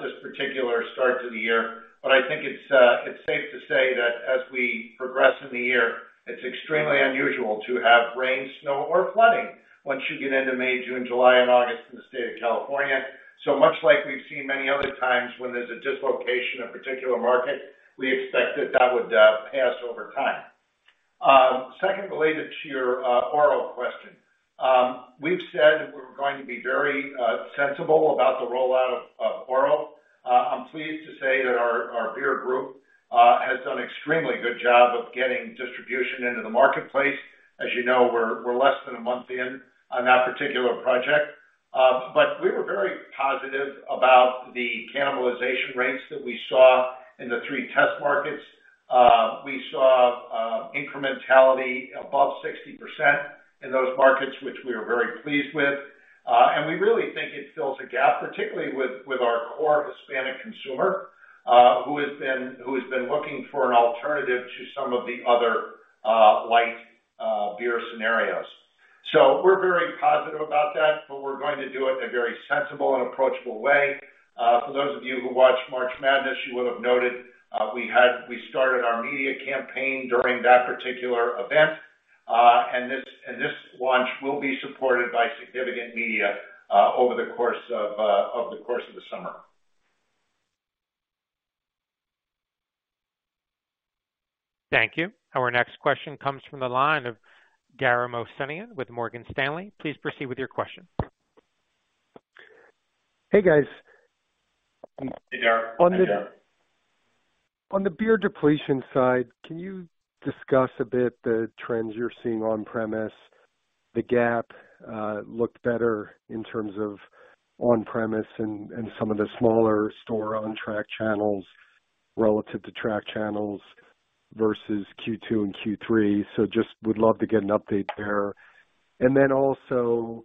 this particular start to the year. I think it's it's safe to say that as we progress in the year, it's extremely unusual to have rain, snow or flooding once you get into May, June, July and August in the state of California. Much like we've seen many other times when there's a dislocation of particular market, we expect that that would pass over time. Second, related to your Oro question. We've said we're going to be very sensible about the rollout of Oro. I'm pleased to say that our beer group has done extremely good job of getting distribution into the marketplace. As you know, we're less than a month in on that particular project, but we were very positive about the cannibalization rates that we saw in the three test markets. We saw incrementality above 60% in those markets, which we are very pleased with. We really think it fills a gap, particularly with our core Hispanic consumer, who has been looking for an alternative to some of the other light beer scenarios. We're very positive about that, but we're going to do it in a very sensible and approachable way. For those of you who watch March Madness, you will have noted, we started our media campaign during that particular event, and this launch will be supported by significant media, over the course of the course of the summer. Thank you. Our next question comes from the line of Dara Mohsenian with Morgan Stanley. Please proceed with your question. Hey, guys. Hey, Dara. Hey, Dara. On the beer depletion side, can you discuss a bit the trends you're seeing on-premise? The gap looked better in terms of on-premise and some of the smaller store on-track channels relative to track channels versus Q2 and Q3. Just would love to get an update there. Also,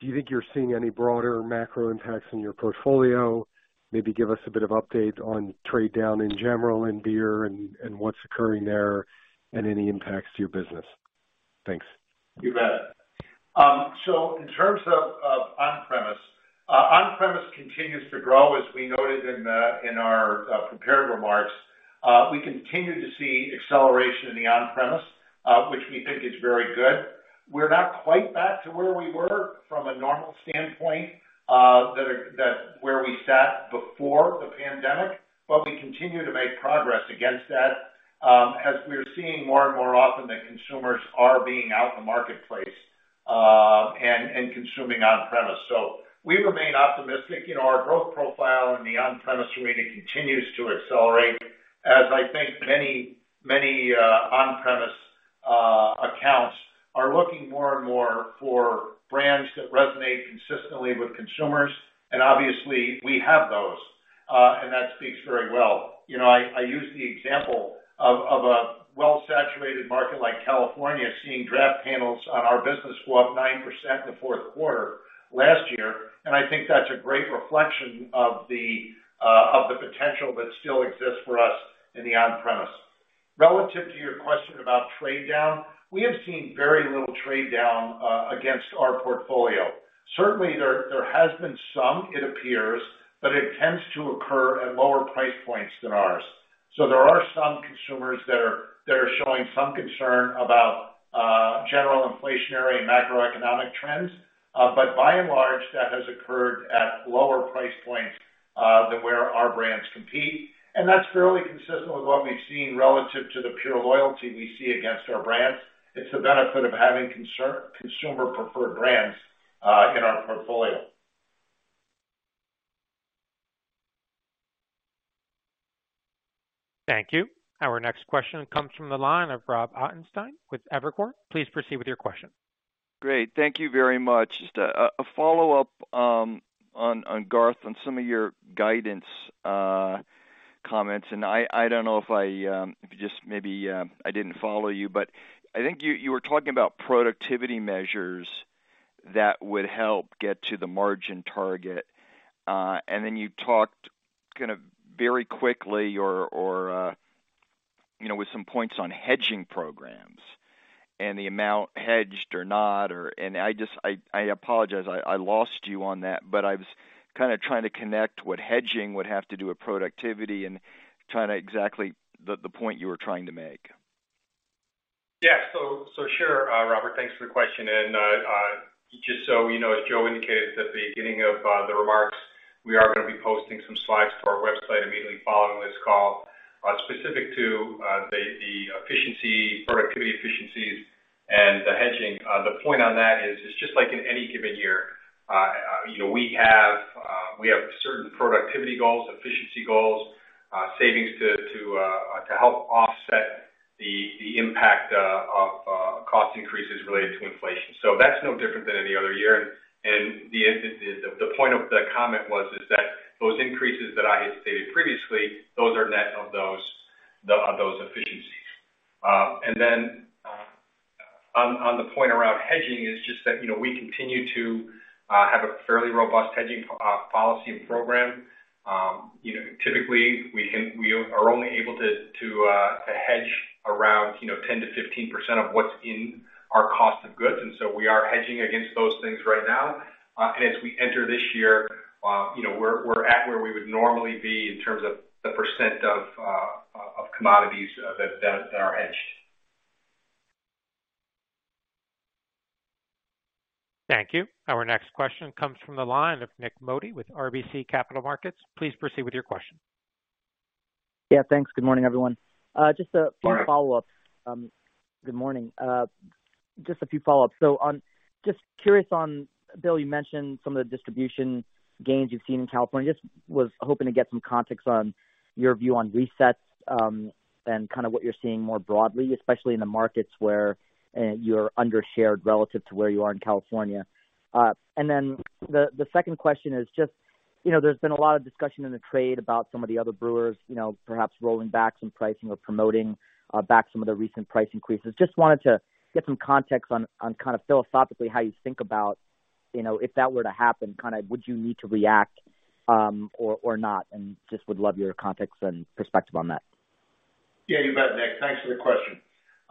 do you think you're seeing any broader macro impacts in your portfolio? Maybe give us a bit of update on trade down in general in beer and what's occurring there and any impacts to your business. Thanks. You bet. In terms of on-premise, on-premise continues to grow as we noted in our prepared remarks. We continue to see acceleration in the on-premise, which we think is very good. We're not quite back to where we were from a normal standpoint, that where we sat before the pandemic, but we continue to make progress against that, as we are seeing more and more often that consumers are being out in the marketplace, and consuming on-premise. We remain optimistic. You know, our growth profile in the on-premise arena continues to accelerate as I think many, many on-premise accounts are looking more and more for brands that resonate consistently with consumers. Obviously we have those, and that speaks very well. You know, I use the example of a well-saturated market like California seeing draft handles on our business go up 9% in the fourth quarter last year. I think that's a great reflection of the potential that still exists for us in the on-premise. Relative to your question about trade down, we have seen very little trade down against our portfolio. Certainly there has been some, it appears, but it tends to occur at lower price points than ours. There are some consumers that are showing some concern about general inflationary and macroeconomic trends. By and large, that has occurred at lower price points than where our brands compete. That's fairly consistent with what we've seen relative to the pure loyalty we see against our brands. It's the benefit of having consumer preferred brands, in our portfolio. Thank you. Our next question comes from the line of Rob Ottenstein with Evercore. Please proceed with your question. Great. Thank you very much. Just a follow-up, on Garth on some of your guidance, comments. I don't know if I, if you just maybe, I didn't follow you, but I think you were talking about productivity measures that would help get to the margin target. You talked kind of very quickly or, You know, with some points on hedging programs and the amount hedged or not, I apologize, I lost you on that, but I was kind of trying to connect what hedging would have to do with productivity and trying to exactly the point you were trying to make. Yeah. Sure, Robert, thanks for the question. Just so you know, as Joe indicated at the beginning of the remarks, we are gonna be posting some slides to our website immediately following this call, specific to the efficiency, productivity efficiencies and the hedging. The point on that is, it's just like in any given year, you know, we have certain productivity goals, efficiency goals, savings to help offset the impact of cost increases related to inflation. That's no different than any other year. The point of the comment was, is that those increases that I had stated previously, those are net of those efficiencies. On the point around hedging is just that, you know, we continue to have a fairly robust hedging policy and program. You know, typically, we are only able to hedge around, you know, 10%-15% of what's in our cost of goods. We are hedging against those things right now. As we enter this year, you know, we're at where we would normally be in terms of the percent of commodities that are hedged. Thank you. Our next question comes from the line of Nik Modi with RBC Capital Markets. Please proceed with your question. Yeah, thanks. Good morning, everyone. Just a few follow-ups. Hi. Good morning. Just a few follow-ups. Just curious on, Bill, you mentioned some of the distribution gains you've seen in California. Just was hoping to get some context on your view on resets, and kind of what you're seeing more broadly, especially in the markets where, you're under-shared relative to where you are in California. The second question is just, you know, there's been a lot of discussion in the trade about some of the other brewers, you know, perhaps rolling back some pricing or promoting, back some of the recent price increases. Just wanted to get some context on kind of philosophically how you think about, you know, if that were to happen, kind of would you need to react, or not? Just would love your context and perspective on that. Yeah, you bet, Nik. Thanks for the question.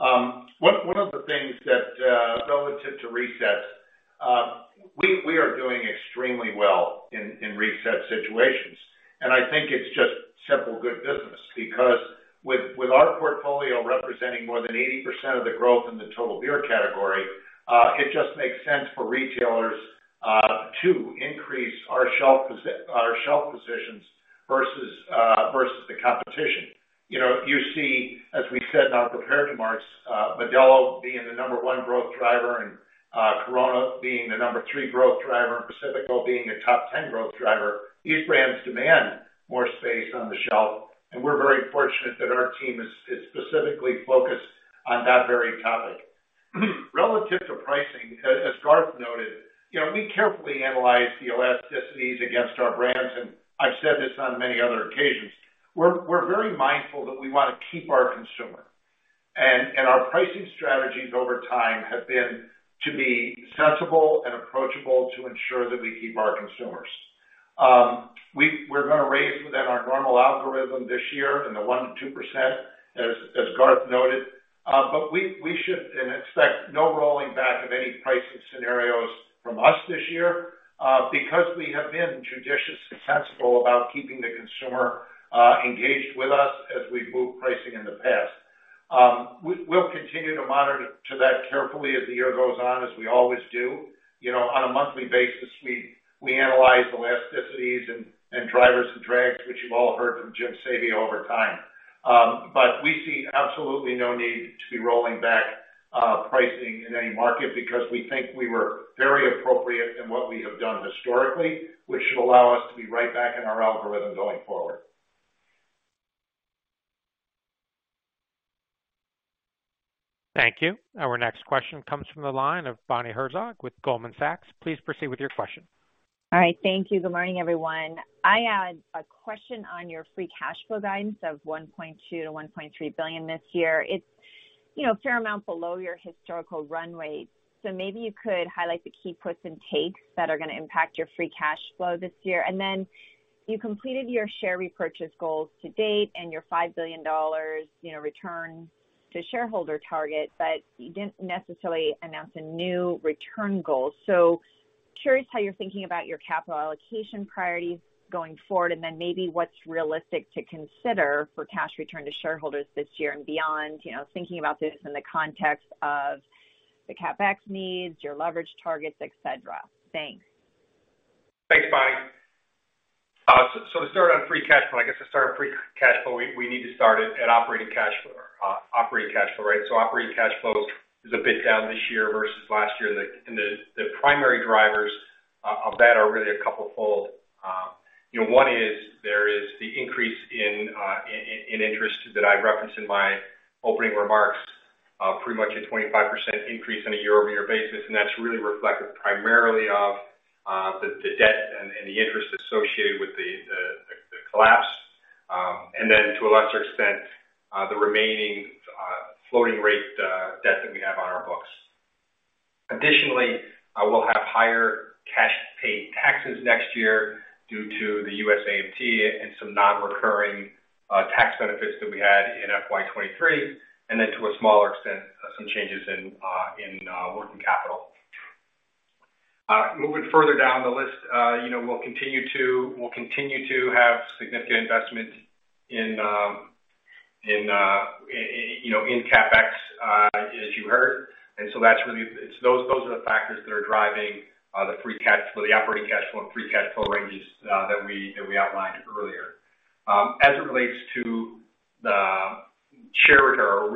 One of the things that relative to resets, we are doing extremely well in reset situations. I think it's just simple good business because with our portfolio representing more than 80% of the growth in the total beer category, it just makes sense for retailers to increase our shelf positions versus versus the competition. You know, you see, as we said in our prepared remarks, Modelo being the number one growth driver and Corona being the number three growth driver and Pacífico being a top-10 growth driver. These brands demand more space on the shelf, and we're very fortunate that our team is specifically focused on that very topic. Relative to pricing, as Garth noted, you know, we carefully analyze the elasticities against our brands, and I've said this on many other occasions. We're very mindful that we wanna keep our consumer. Our pricing strategies over time have been to be sensible and approachable to ensure that we keep our consumers. We're gonna raise within our normal algorithm this year in the 1%-2%, as Garth noted. We should and expect no rolling back of any pricing scenarios from us this year, because we have been judicious and sensible about keeping the consumer engaged with us as we've moved pricing in the past. We'll continue to monitor to that carefully as the year goes on, as we always do. You know, on a monthly basis, we analyze elasticities and drivers and drags, which you've all heard from Jim Sabia over time. We see absolutely no need to be rolling back pricing in any market because we think we were very appropriate in what we have done historically, which should allow us to be right back in our algorithm going forward. Thank you. Our next question comes from the line of Bonnie Herzog with Goldman Sachs. Please proceed with your question. All right. Thank you. Good morning, everyone. I had a question on your free cash flow guidance of $1.2 billion-$1.3 billion this year. It's, you know, a fair amount below your historical run rate. Maybe you could highlight the key puts and takes that are gonna impact your free cash flow this year. You completed your share repurchase goals to date and your $5 billion, you know, return to shareholder target, but you didn't necessarily announce a new return goal. Curious how you're thinking about your capital allocation priorities going forward, and then maybe what's realistic to consider for cash return to shareholders this year and beyond. You know, thinking about this in the context of the CapEx needs, your leverage targets, et cetera. Thanks. Thanks, Bonnie. To start on free cash flow, we need to start at operating cash flow, right? Operating cash flow is a bit down this year versus last year. The primary drivers of that are really a couplefold. You know, one is there is the increase in interest that I referenced in my opening remarks, pretty much a 25% increase on a year-over-year basis, and that's really reflective primarily of the debt and the interest associated with the collapse, and then to a lesser extent, the remaining floating rate debt that we have on our books. Additionally, we'll have higher cash to pay taxes next year due to the USAT and some non-recurring tax benefits that we had in FY 2023, and then to a smaller extent, some changes in working capital. Moving further down the list, you know, we'll continue to have significant investment in CapEx, as you heard. That's really... Those are the factors that are driving the free cash or the operating cash flow and free cash flow ranges that we outlined earlier. As it relates to the shareholder,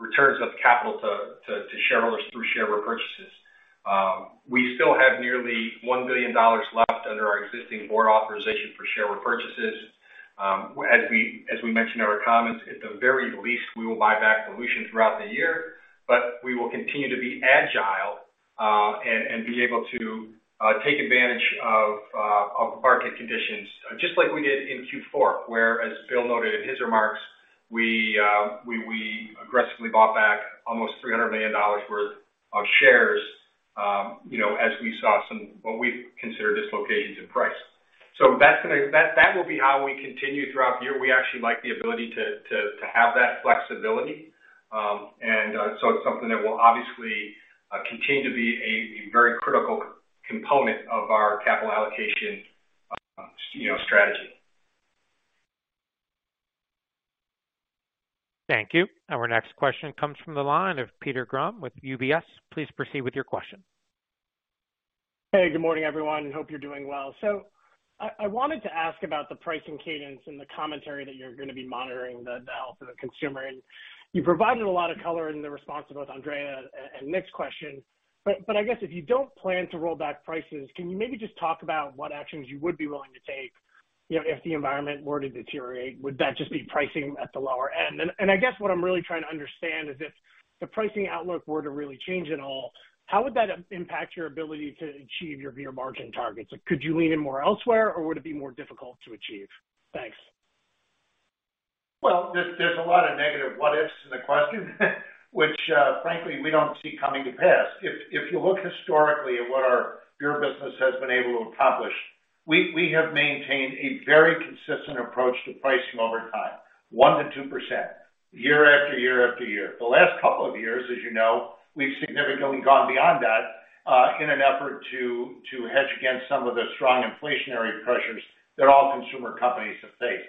returns of capital to shareholders through share repurchases, we still have nearly $1 billion left under our existing board authorization for share repurchases. As we mentioned in our comments, at the very least, we will buy back solutions throughout the year, but we will continue to be agile and be able to take advantage of market conditions, just like we did in Q4, where, as Bill noted in his remarks, we aggressively bought back almost $300 million worth of shares, you know, as we saw some, what we consider dislocations in price. That will be how we continue throughout the year. We actually like the ability to have that flexibility. It's something that will obviously continue to be a very critical component of our capital allocation, you know, strategy. Thank you. Our next question comes from the line of Peter Grom with UBS. Please proceed with your question. Hey, good morning, everyone. Hope you're doing well. I wanted to ask about the pricing cadence and the commentary that you're gonna be monitoring the health of the consumer. You provided a lot of color in the response to both Andrea and Nik's question. I guess if you don't plan to roll back prices, can you maybe just talk about what actions you would be willing to take, you know, if the environment were to deteriorate? Would that just be pricing at the lower end? I guess what I'm really trying to understand is if the pricing outlook were to really change at all, how would that impact your ability to achieve your beer margin targets? Could you lean in more elsewhere or would it be more difficult to achieve? Thanks. Well, there's a lot of negative what-ifs in the question which, frankly, we don't see coming to pass. If you look historically at what our beer business has been able to accomplish, we have maintained a very consistent approach to pricing over time, 1% to 2% year after year after year. The last couple of years, as you know, we've significantly gone beyond that, in an effort to hedge against some of the strong inflationary pressures that all consumer companies have faced.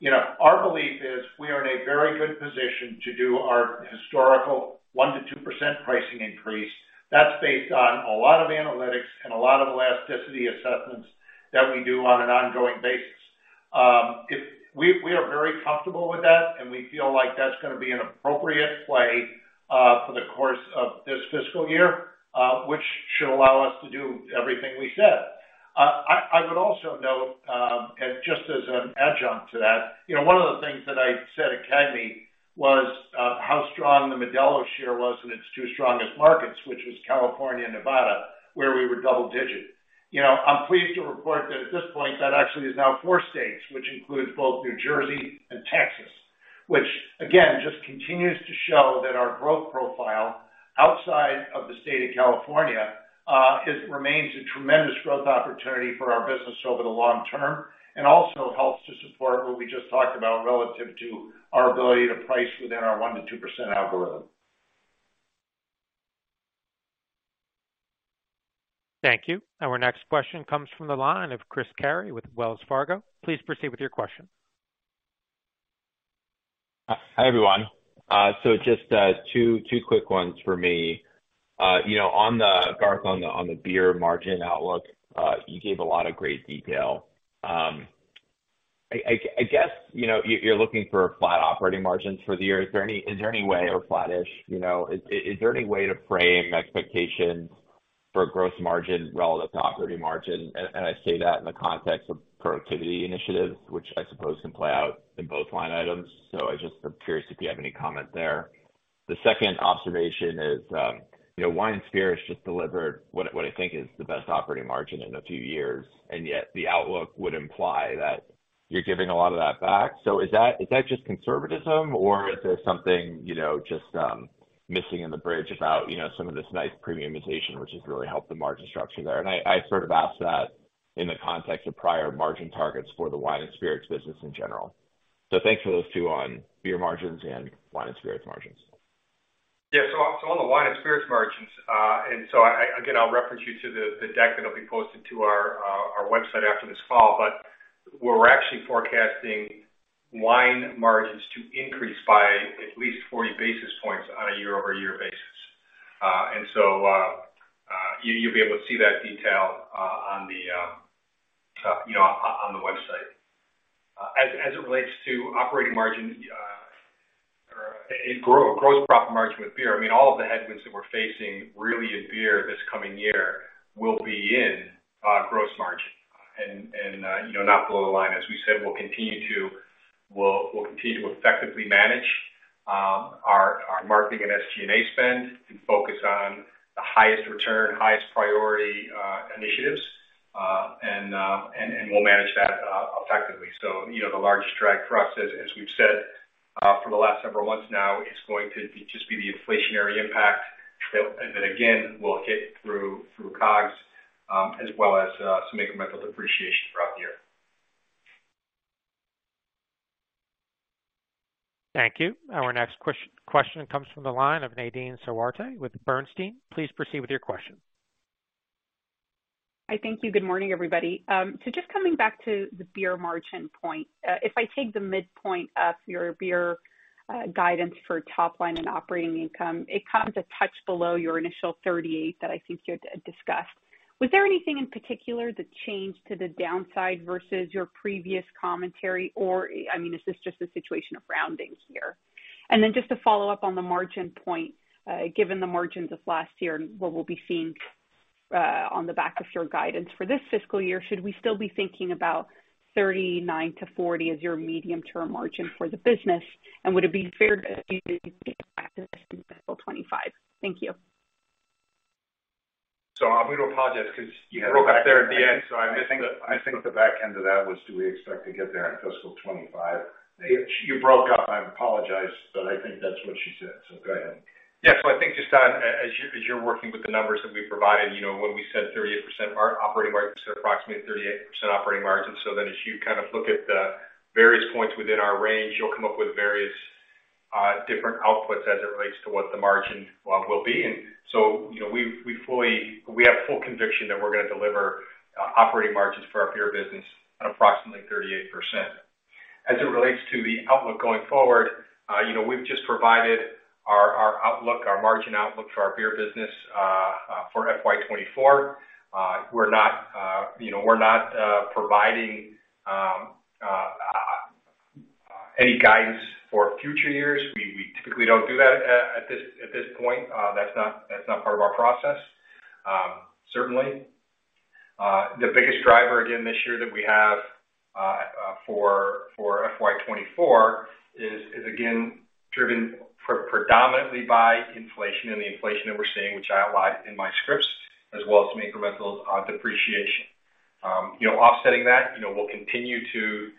You know, our belief is we are in a very good position to do our historical 1% to 2% pricing increase. That's based on a lot of analytics and a lot of elasticity assessments that we do on an ongoing basis. We are very comfortable with that, and we feel like that's gonna be an appropriate play for the course of this fiscal year, which should allow us to do everything we said. I would also note, and just as an adjunct to that, you know, one of the things that I said at CAGNY was how strong the Modelo share was in its two strongest markets, which was California and Nevada, where we were double digit. You know, I'm pleased to report that at this point, that actually is now four states, which includes both New Jersey and Texas, which again, just continues to show that our growth profile outside of the state of California, remains a tremendous growth opportunity for our business over the long term, and also helps to support what we just talked about relative to our ability to price within our 1%-2% algorithm. Thank you. Our next question comes from the line of Chris Carey with Wells Fargo. Please proceed with your question. Hi, everyone. Just two quick ones for me. You know, Garth, on the beer margin outlook, you gave a lot of great detail. I guess, you know, you're looking for flat operating margins for the year. Is there any way or flattish, you know? Is there any way to frame expectations for growth margin relative to operating margin? I say that in the context of productivity initiatives, which I suppose can play out in both line items. I just am curious if you have any comments there. The second observation is, you know, wine spirits just delivered what I think is the best operating margin in a few years, and yet the outlook would imply that you're giving a lot of that back. Is that just conservatism or is there something, you know, just, missing in the bridge about, you know, some of this nice premiumization, which has really helped the margin structure there? I sort of ask that in the context of prior margin targets for the wine and spirits business in general. Thanks for those two on beer margins and wine and spirits margins. Yeah. So on the wine and spirits margins, again, I'll reference you to the deck that'll be posted to our website after this call. We're actually forecasting wine margins to increase by at least 40 basis points on a year-over-year basis. You'll be able to see that detail on the, you know, on the website. As it relates to operating margin, or a gross profit margin with beer, I mean, all of the headwinds that we're facing really in beer this coming year will be in gross margin and, you know, not below the line. As we said, we'll continue to effectively manage our marketing and SG&A spend and focus on the highest return, highest priority initiatives, and we'll manage that effectively. You know, the largest drag for us, as we've said, for the last several months now, is going to be just be the inflationary impact that and that again, will hit through COGS, as well as some incremental depreciation throughout the year. Thank you. Our next question comes from the line of Nadine Sarwat with Bernstein. Please proceed with your question. Hi. Thank you. Good morning, everybody. Just coming back to the beer margin point. If I take the midpoint of your beer guidance for top line and operating income, it comes a touch below your initial 38% that I think you had discussed. Was there anything in particular that changed to the downside versus your previous commentary? I mean, is this just a situation of rounding here? Then just to follow up on the margin point, given the margins of last year and what we'll be seeing on the back of your guidance for this fiscal year, should we still be thinking about 39%-40% as your medium-term margin for the business? Would it be fair to fiscal 2025? Thank you. I'm going to apologize 'cause you broke up there at the end. I missed the- I think the back end of that was do we expect to get there in fiscal 2025? You broke up, I apologize, but I think that's what she said. Go ahead. I think just on as you're, as you're working with the numbers that we provided, you know, when we said 38% operating margins are approximately 38% operating margin. As you kind of look at the various points within our range, you'll come up with various different outputs as it relates to what the margin will be. You know, we have full conviction that we're gonna deliver operating margins for our beer business at approximately 38%. As it relates to the outlook going forward, you know, we've just provided our outlook, our margin outlook for our beer business for FY 2024. We're not, you know, we're not providing any guidance for future years. We typically don't do that at this point. That's not, that's not part of our process. Certainly, the biggest driver, again, this year that we have for FY 2024 is again, driven predominantly by inflation and the inflation that we're seeing, which I outlined in my scripts, as well as some incremental depreciation. You know, offsetting that, you know, we'll continue to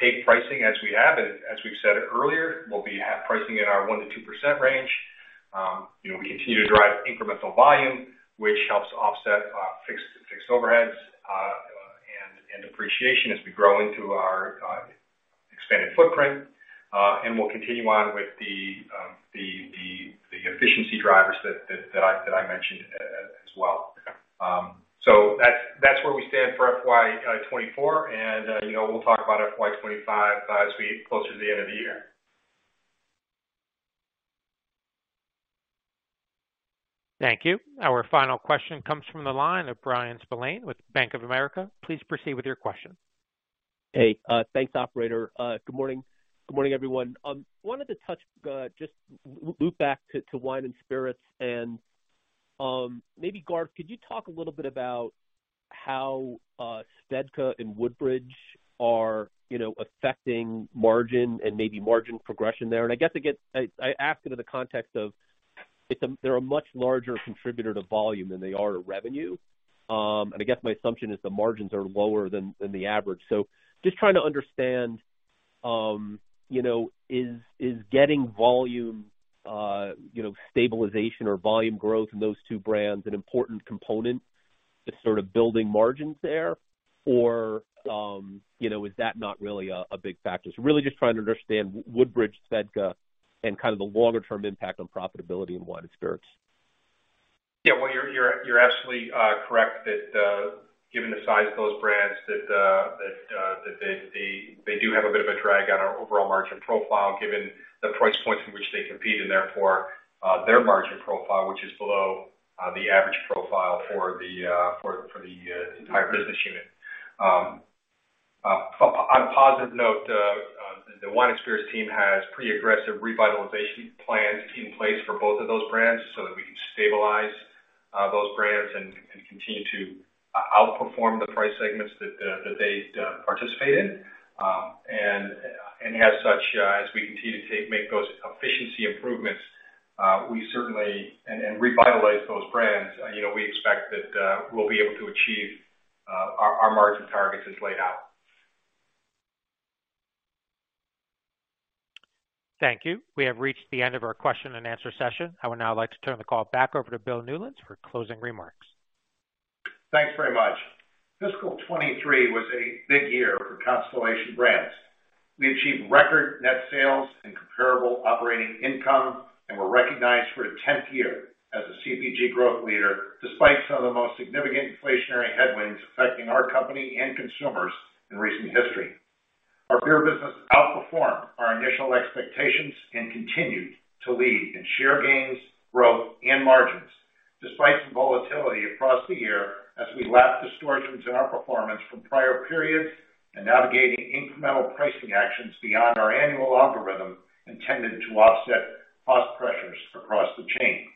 take pricing as we have. As we've said earlier, we'll be at pricing in our 1%-2% range. You know, we continue to drive incremental volume, which helps offset fixed overheads and depreciation as we grow into our expanded footprint. We'll continue on with the efficiency drivers that I mentioned as well. That's, that's where we stand for FY 2024. you know, we'll talk about FY 2025, as we get closer to the end of the year. Thank you. Our final question comes from the line of Bryan Spillane with Bank of America. Please proceed with your question. Hey. Thanks, operator. Good morning. Good morning, everyone. Wanted to touch, just loop back to wine and spirits. Maybe, Garth, could you talk a little bit about how SVEDKA and Woodbridge are, you know, affecting margin and maybe margin progression there? I ask it in the context of they're a much larger contributor to volume than they are to revenue. I guess my assumption is the margins are lower than the average. Just trying to understand, you know, is getting volume, you know, stabilization or volume growth in those two brands an important component to sort of building margins there? Is that not really a big factor? Really just trying to understand Woodbridge, SVEDKA, and kind of the longer-term impact on profitability in wine and spirits. Yeah. Well, you're absolutely correct that given the size of those brands, that they do have a bit of a drag on our overall margin profile, given the price points in which they compete and therefore, their margin profile, which is below the average profile for the entire business unit. On a positive note, the wine and spirits team has pretty aggressive revitalization plans in place for both of those brands so that we can stabilize those brands and continue to outperform the price segments that they participate in. As such, as we continue to make those efficiency improvements, and revitalize those brands, you know, we expect that, we'll be able to achieve, our margin targets as laid out. Thank you. We have reached the end of our question and answer session. I would now like to turn the call back over to Bill Newlands for closing remarks. Thanks very much. Fiscal 2023 was a big year for Constellation Brands. We achieved record net sales and comparable operating income, and were recognized for the 10th year as a CPG growth leader, despite some of the most significant inflationary headwinds affecting our company and consumers in recent history. Our beer business outperformed our initial expectations and continued to lead in share gains, growth, and margins, despite some volatility across the year as we lapped distortions in our performance from prior periods and navigating incremental pricing actions beyond our annual algorithm intended to offset cost pressures across the chain.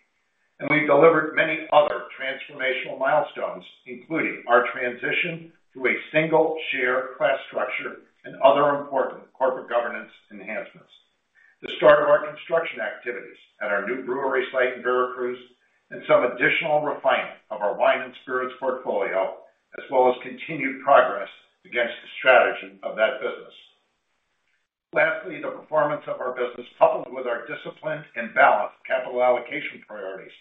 We delivered many other transformational milestones, including our transition to a single-share class structure and other important corporate governance enhancements. The start of our construction activities at our new brewery site in Veracruz, and some additional refinement of our wine and spirits portfolio, as well as continued progress against the strategy of that business. Lastly, the performance of our business, coupled with our disciplined and balanced capital allocation priorities,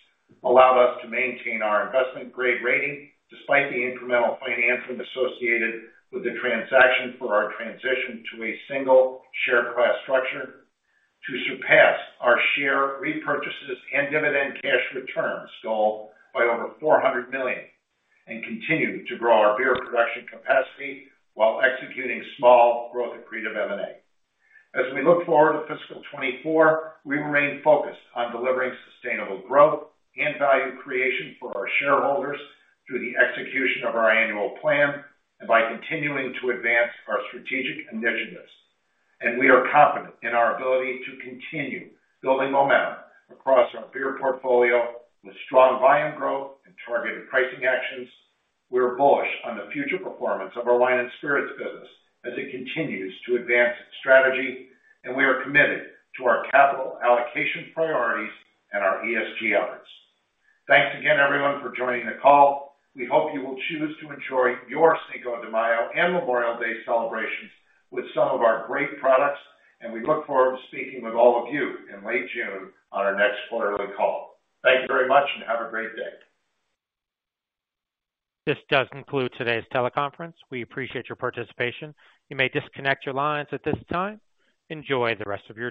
allowed us to maintain our investment-grade rating despite the incremental financing associated with the transaction for our transition to a single-share class structure, to surpass our share repurchases and dividend cash returns goal by over $400 million, and continue to grow our beer production capacity while executing small, growth-accretive M&A. As we look forward to fiscal 2024, we remain focused on delivering sustainable growth and value creation for our shareholders through the execution of our annual plan and by continuing to advance our strategic initiatives. We are confident in our ability to continue building momentum across our beer portfolio with strong volume growth and targeted pricing actions. We're bullish on the future performance of our wine and spirits business as it continues to advance its strategy. We are committed to our capital allocation priorities and our ESG efforts. Thanks again, everyone, for joining the call. We hope you will choose to enjoy your Cinco de Mayo and Memorial Day celebrations with some of our great products. We look forward to speaking with all of you in late June on our next quarterly call. Thank you very much. Have a great day. This does conclude today's teleconference. We appreciate your participation. You may disconnect your lines at this time. Enjoy the rest of your day.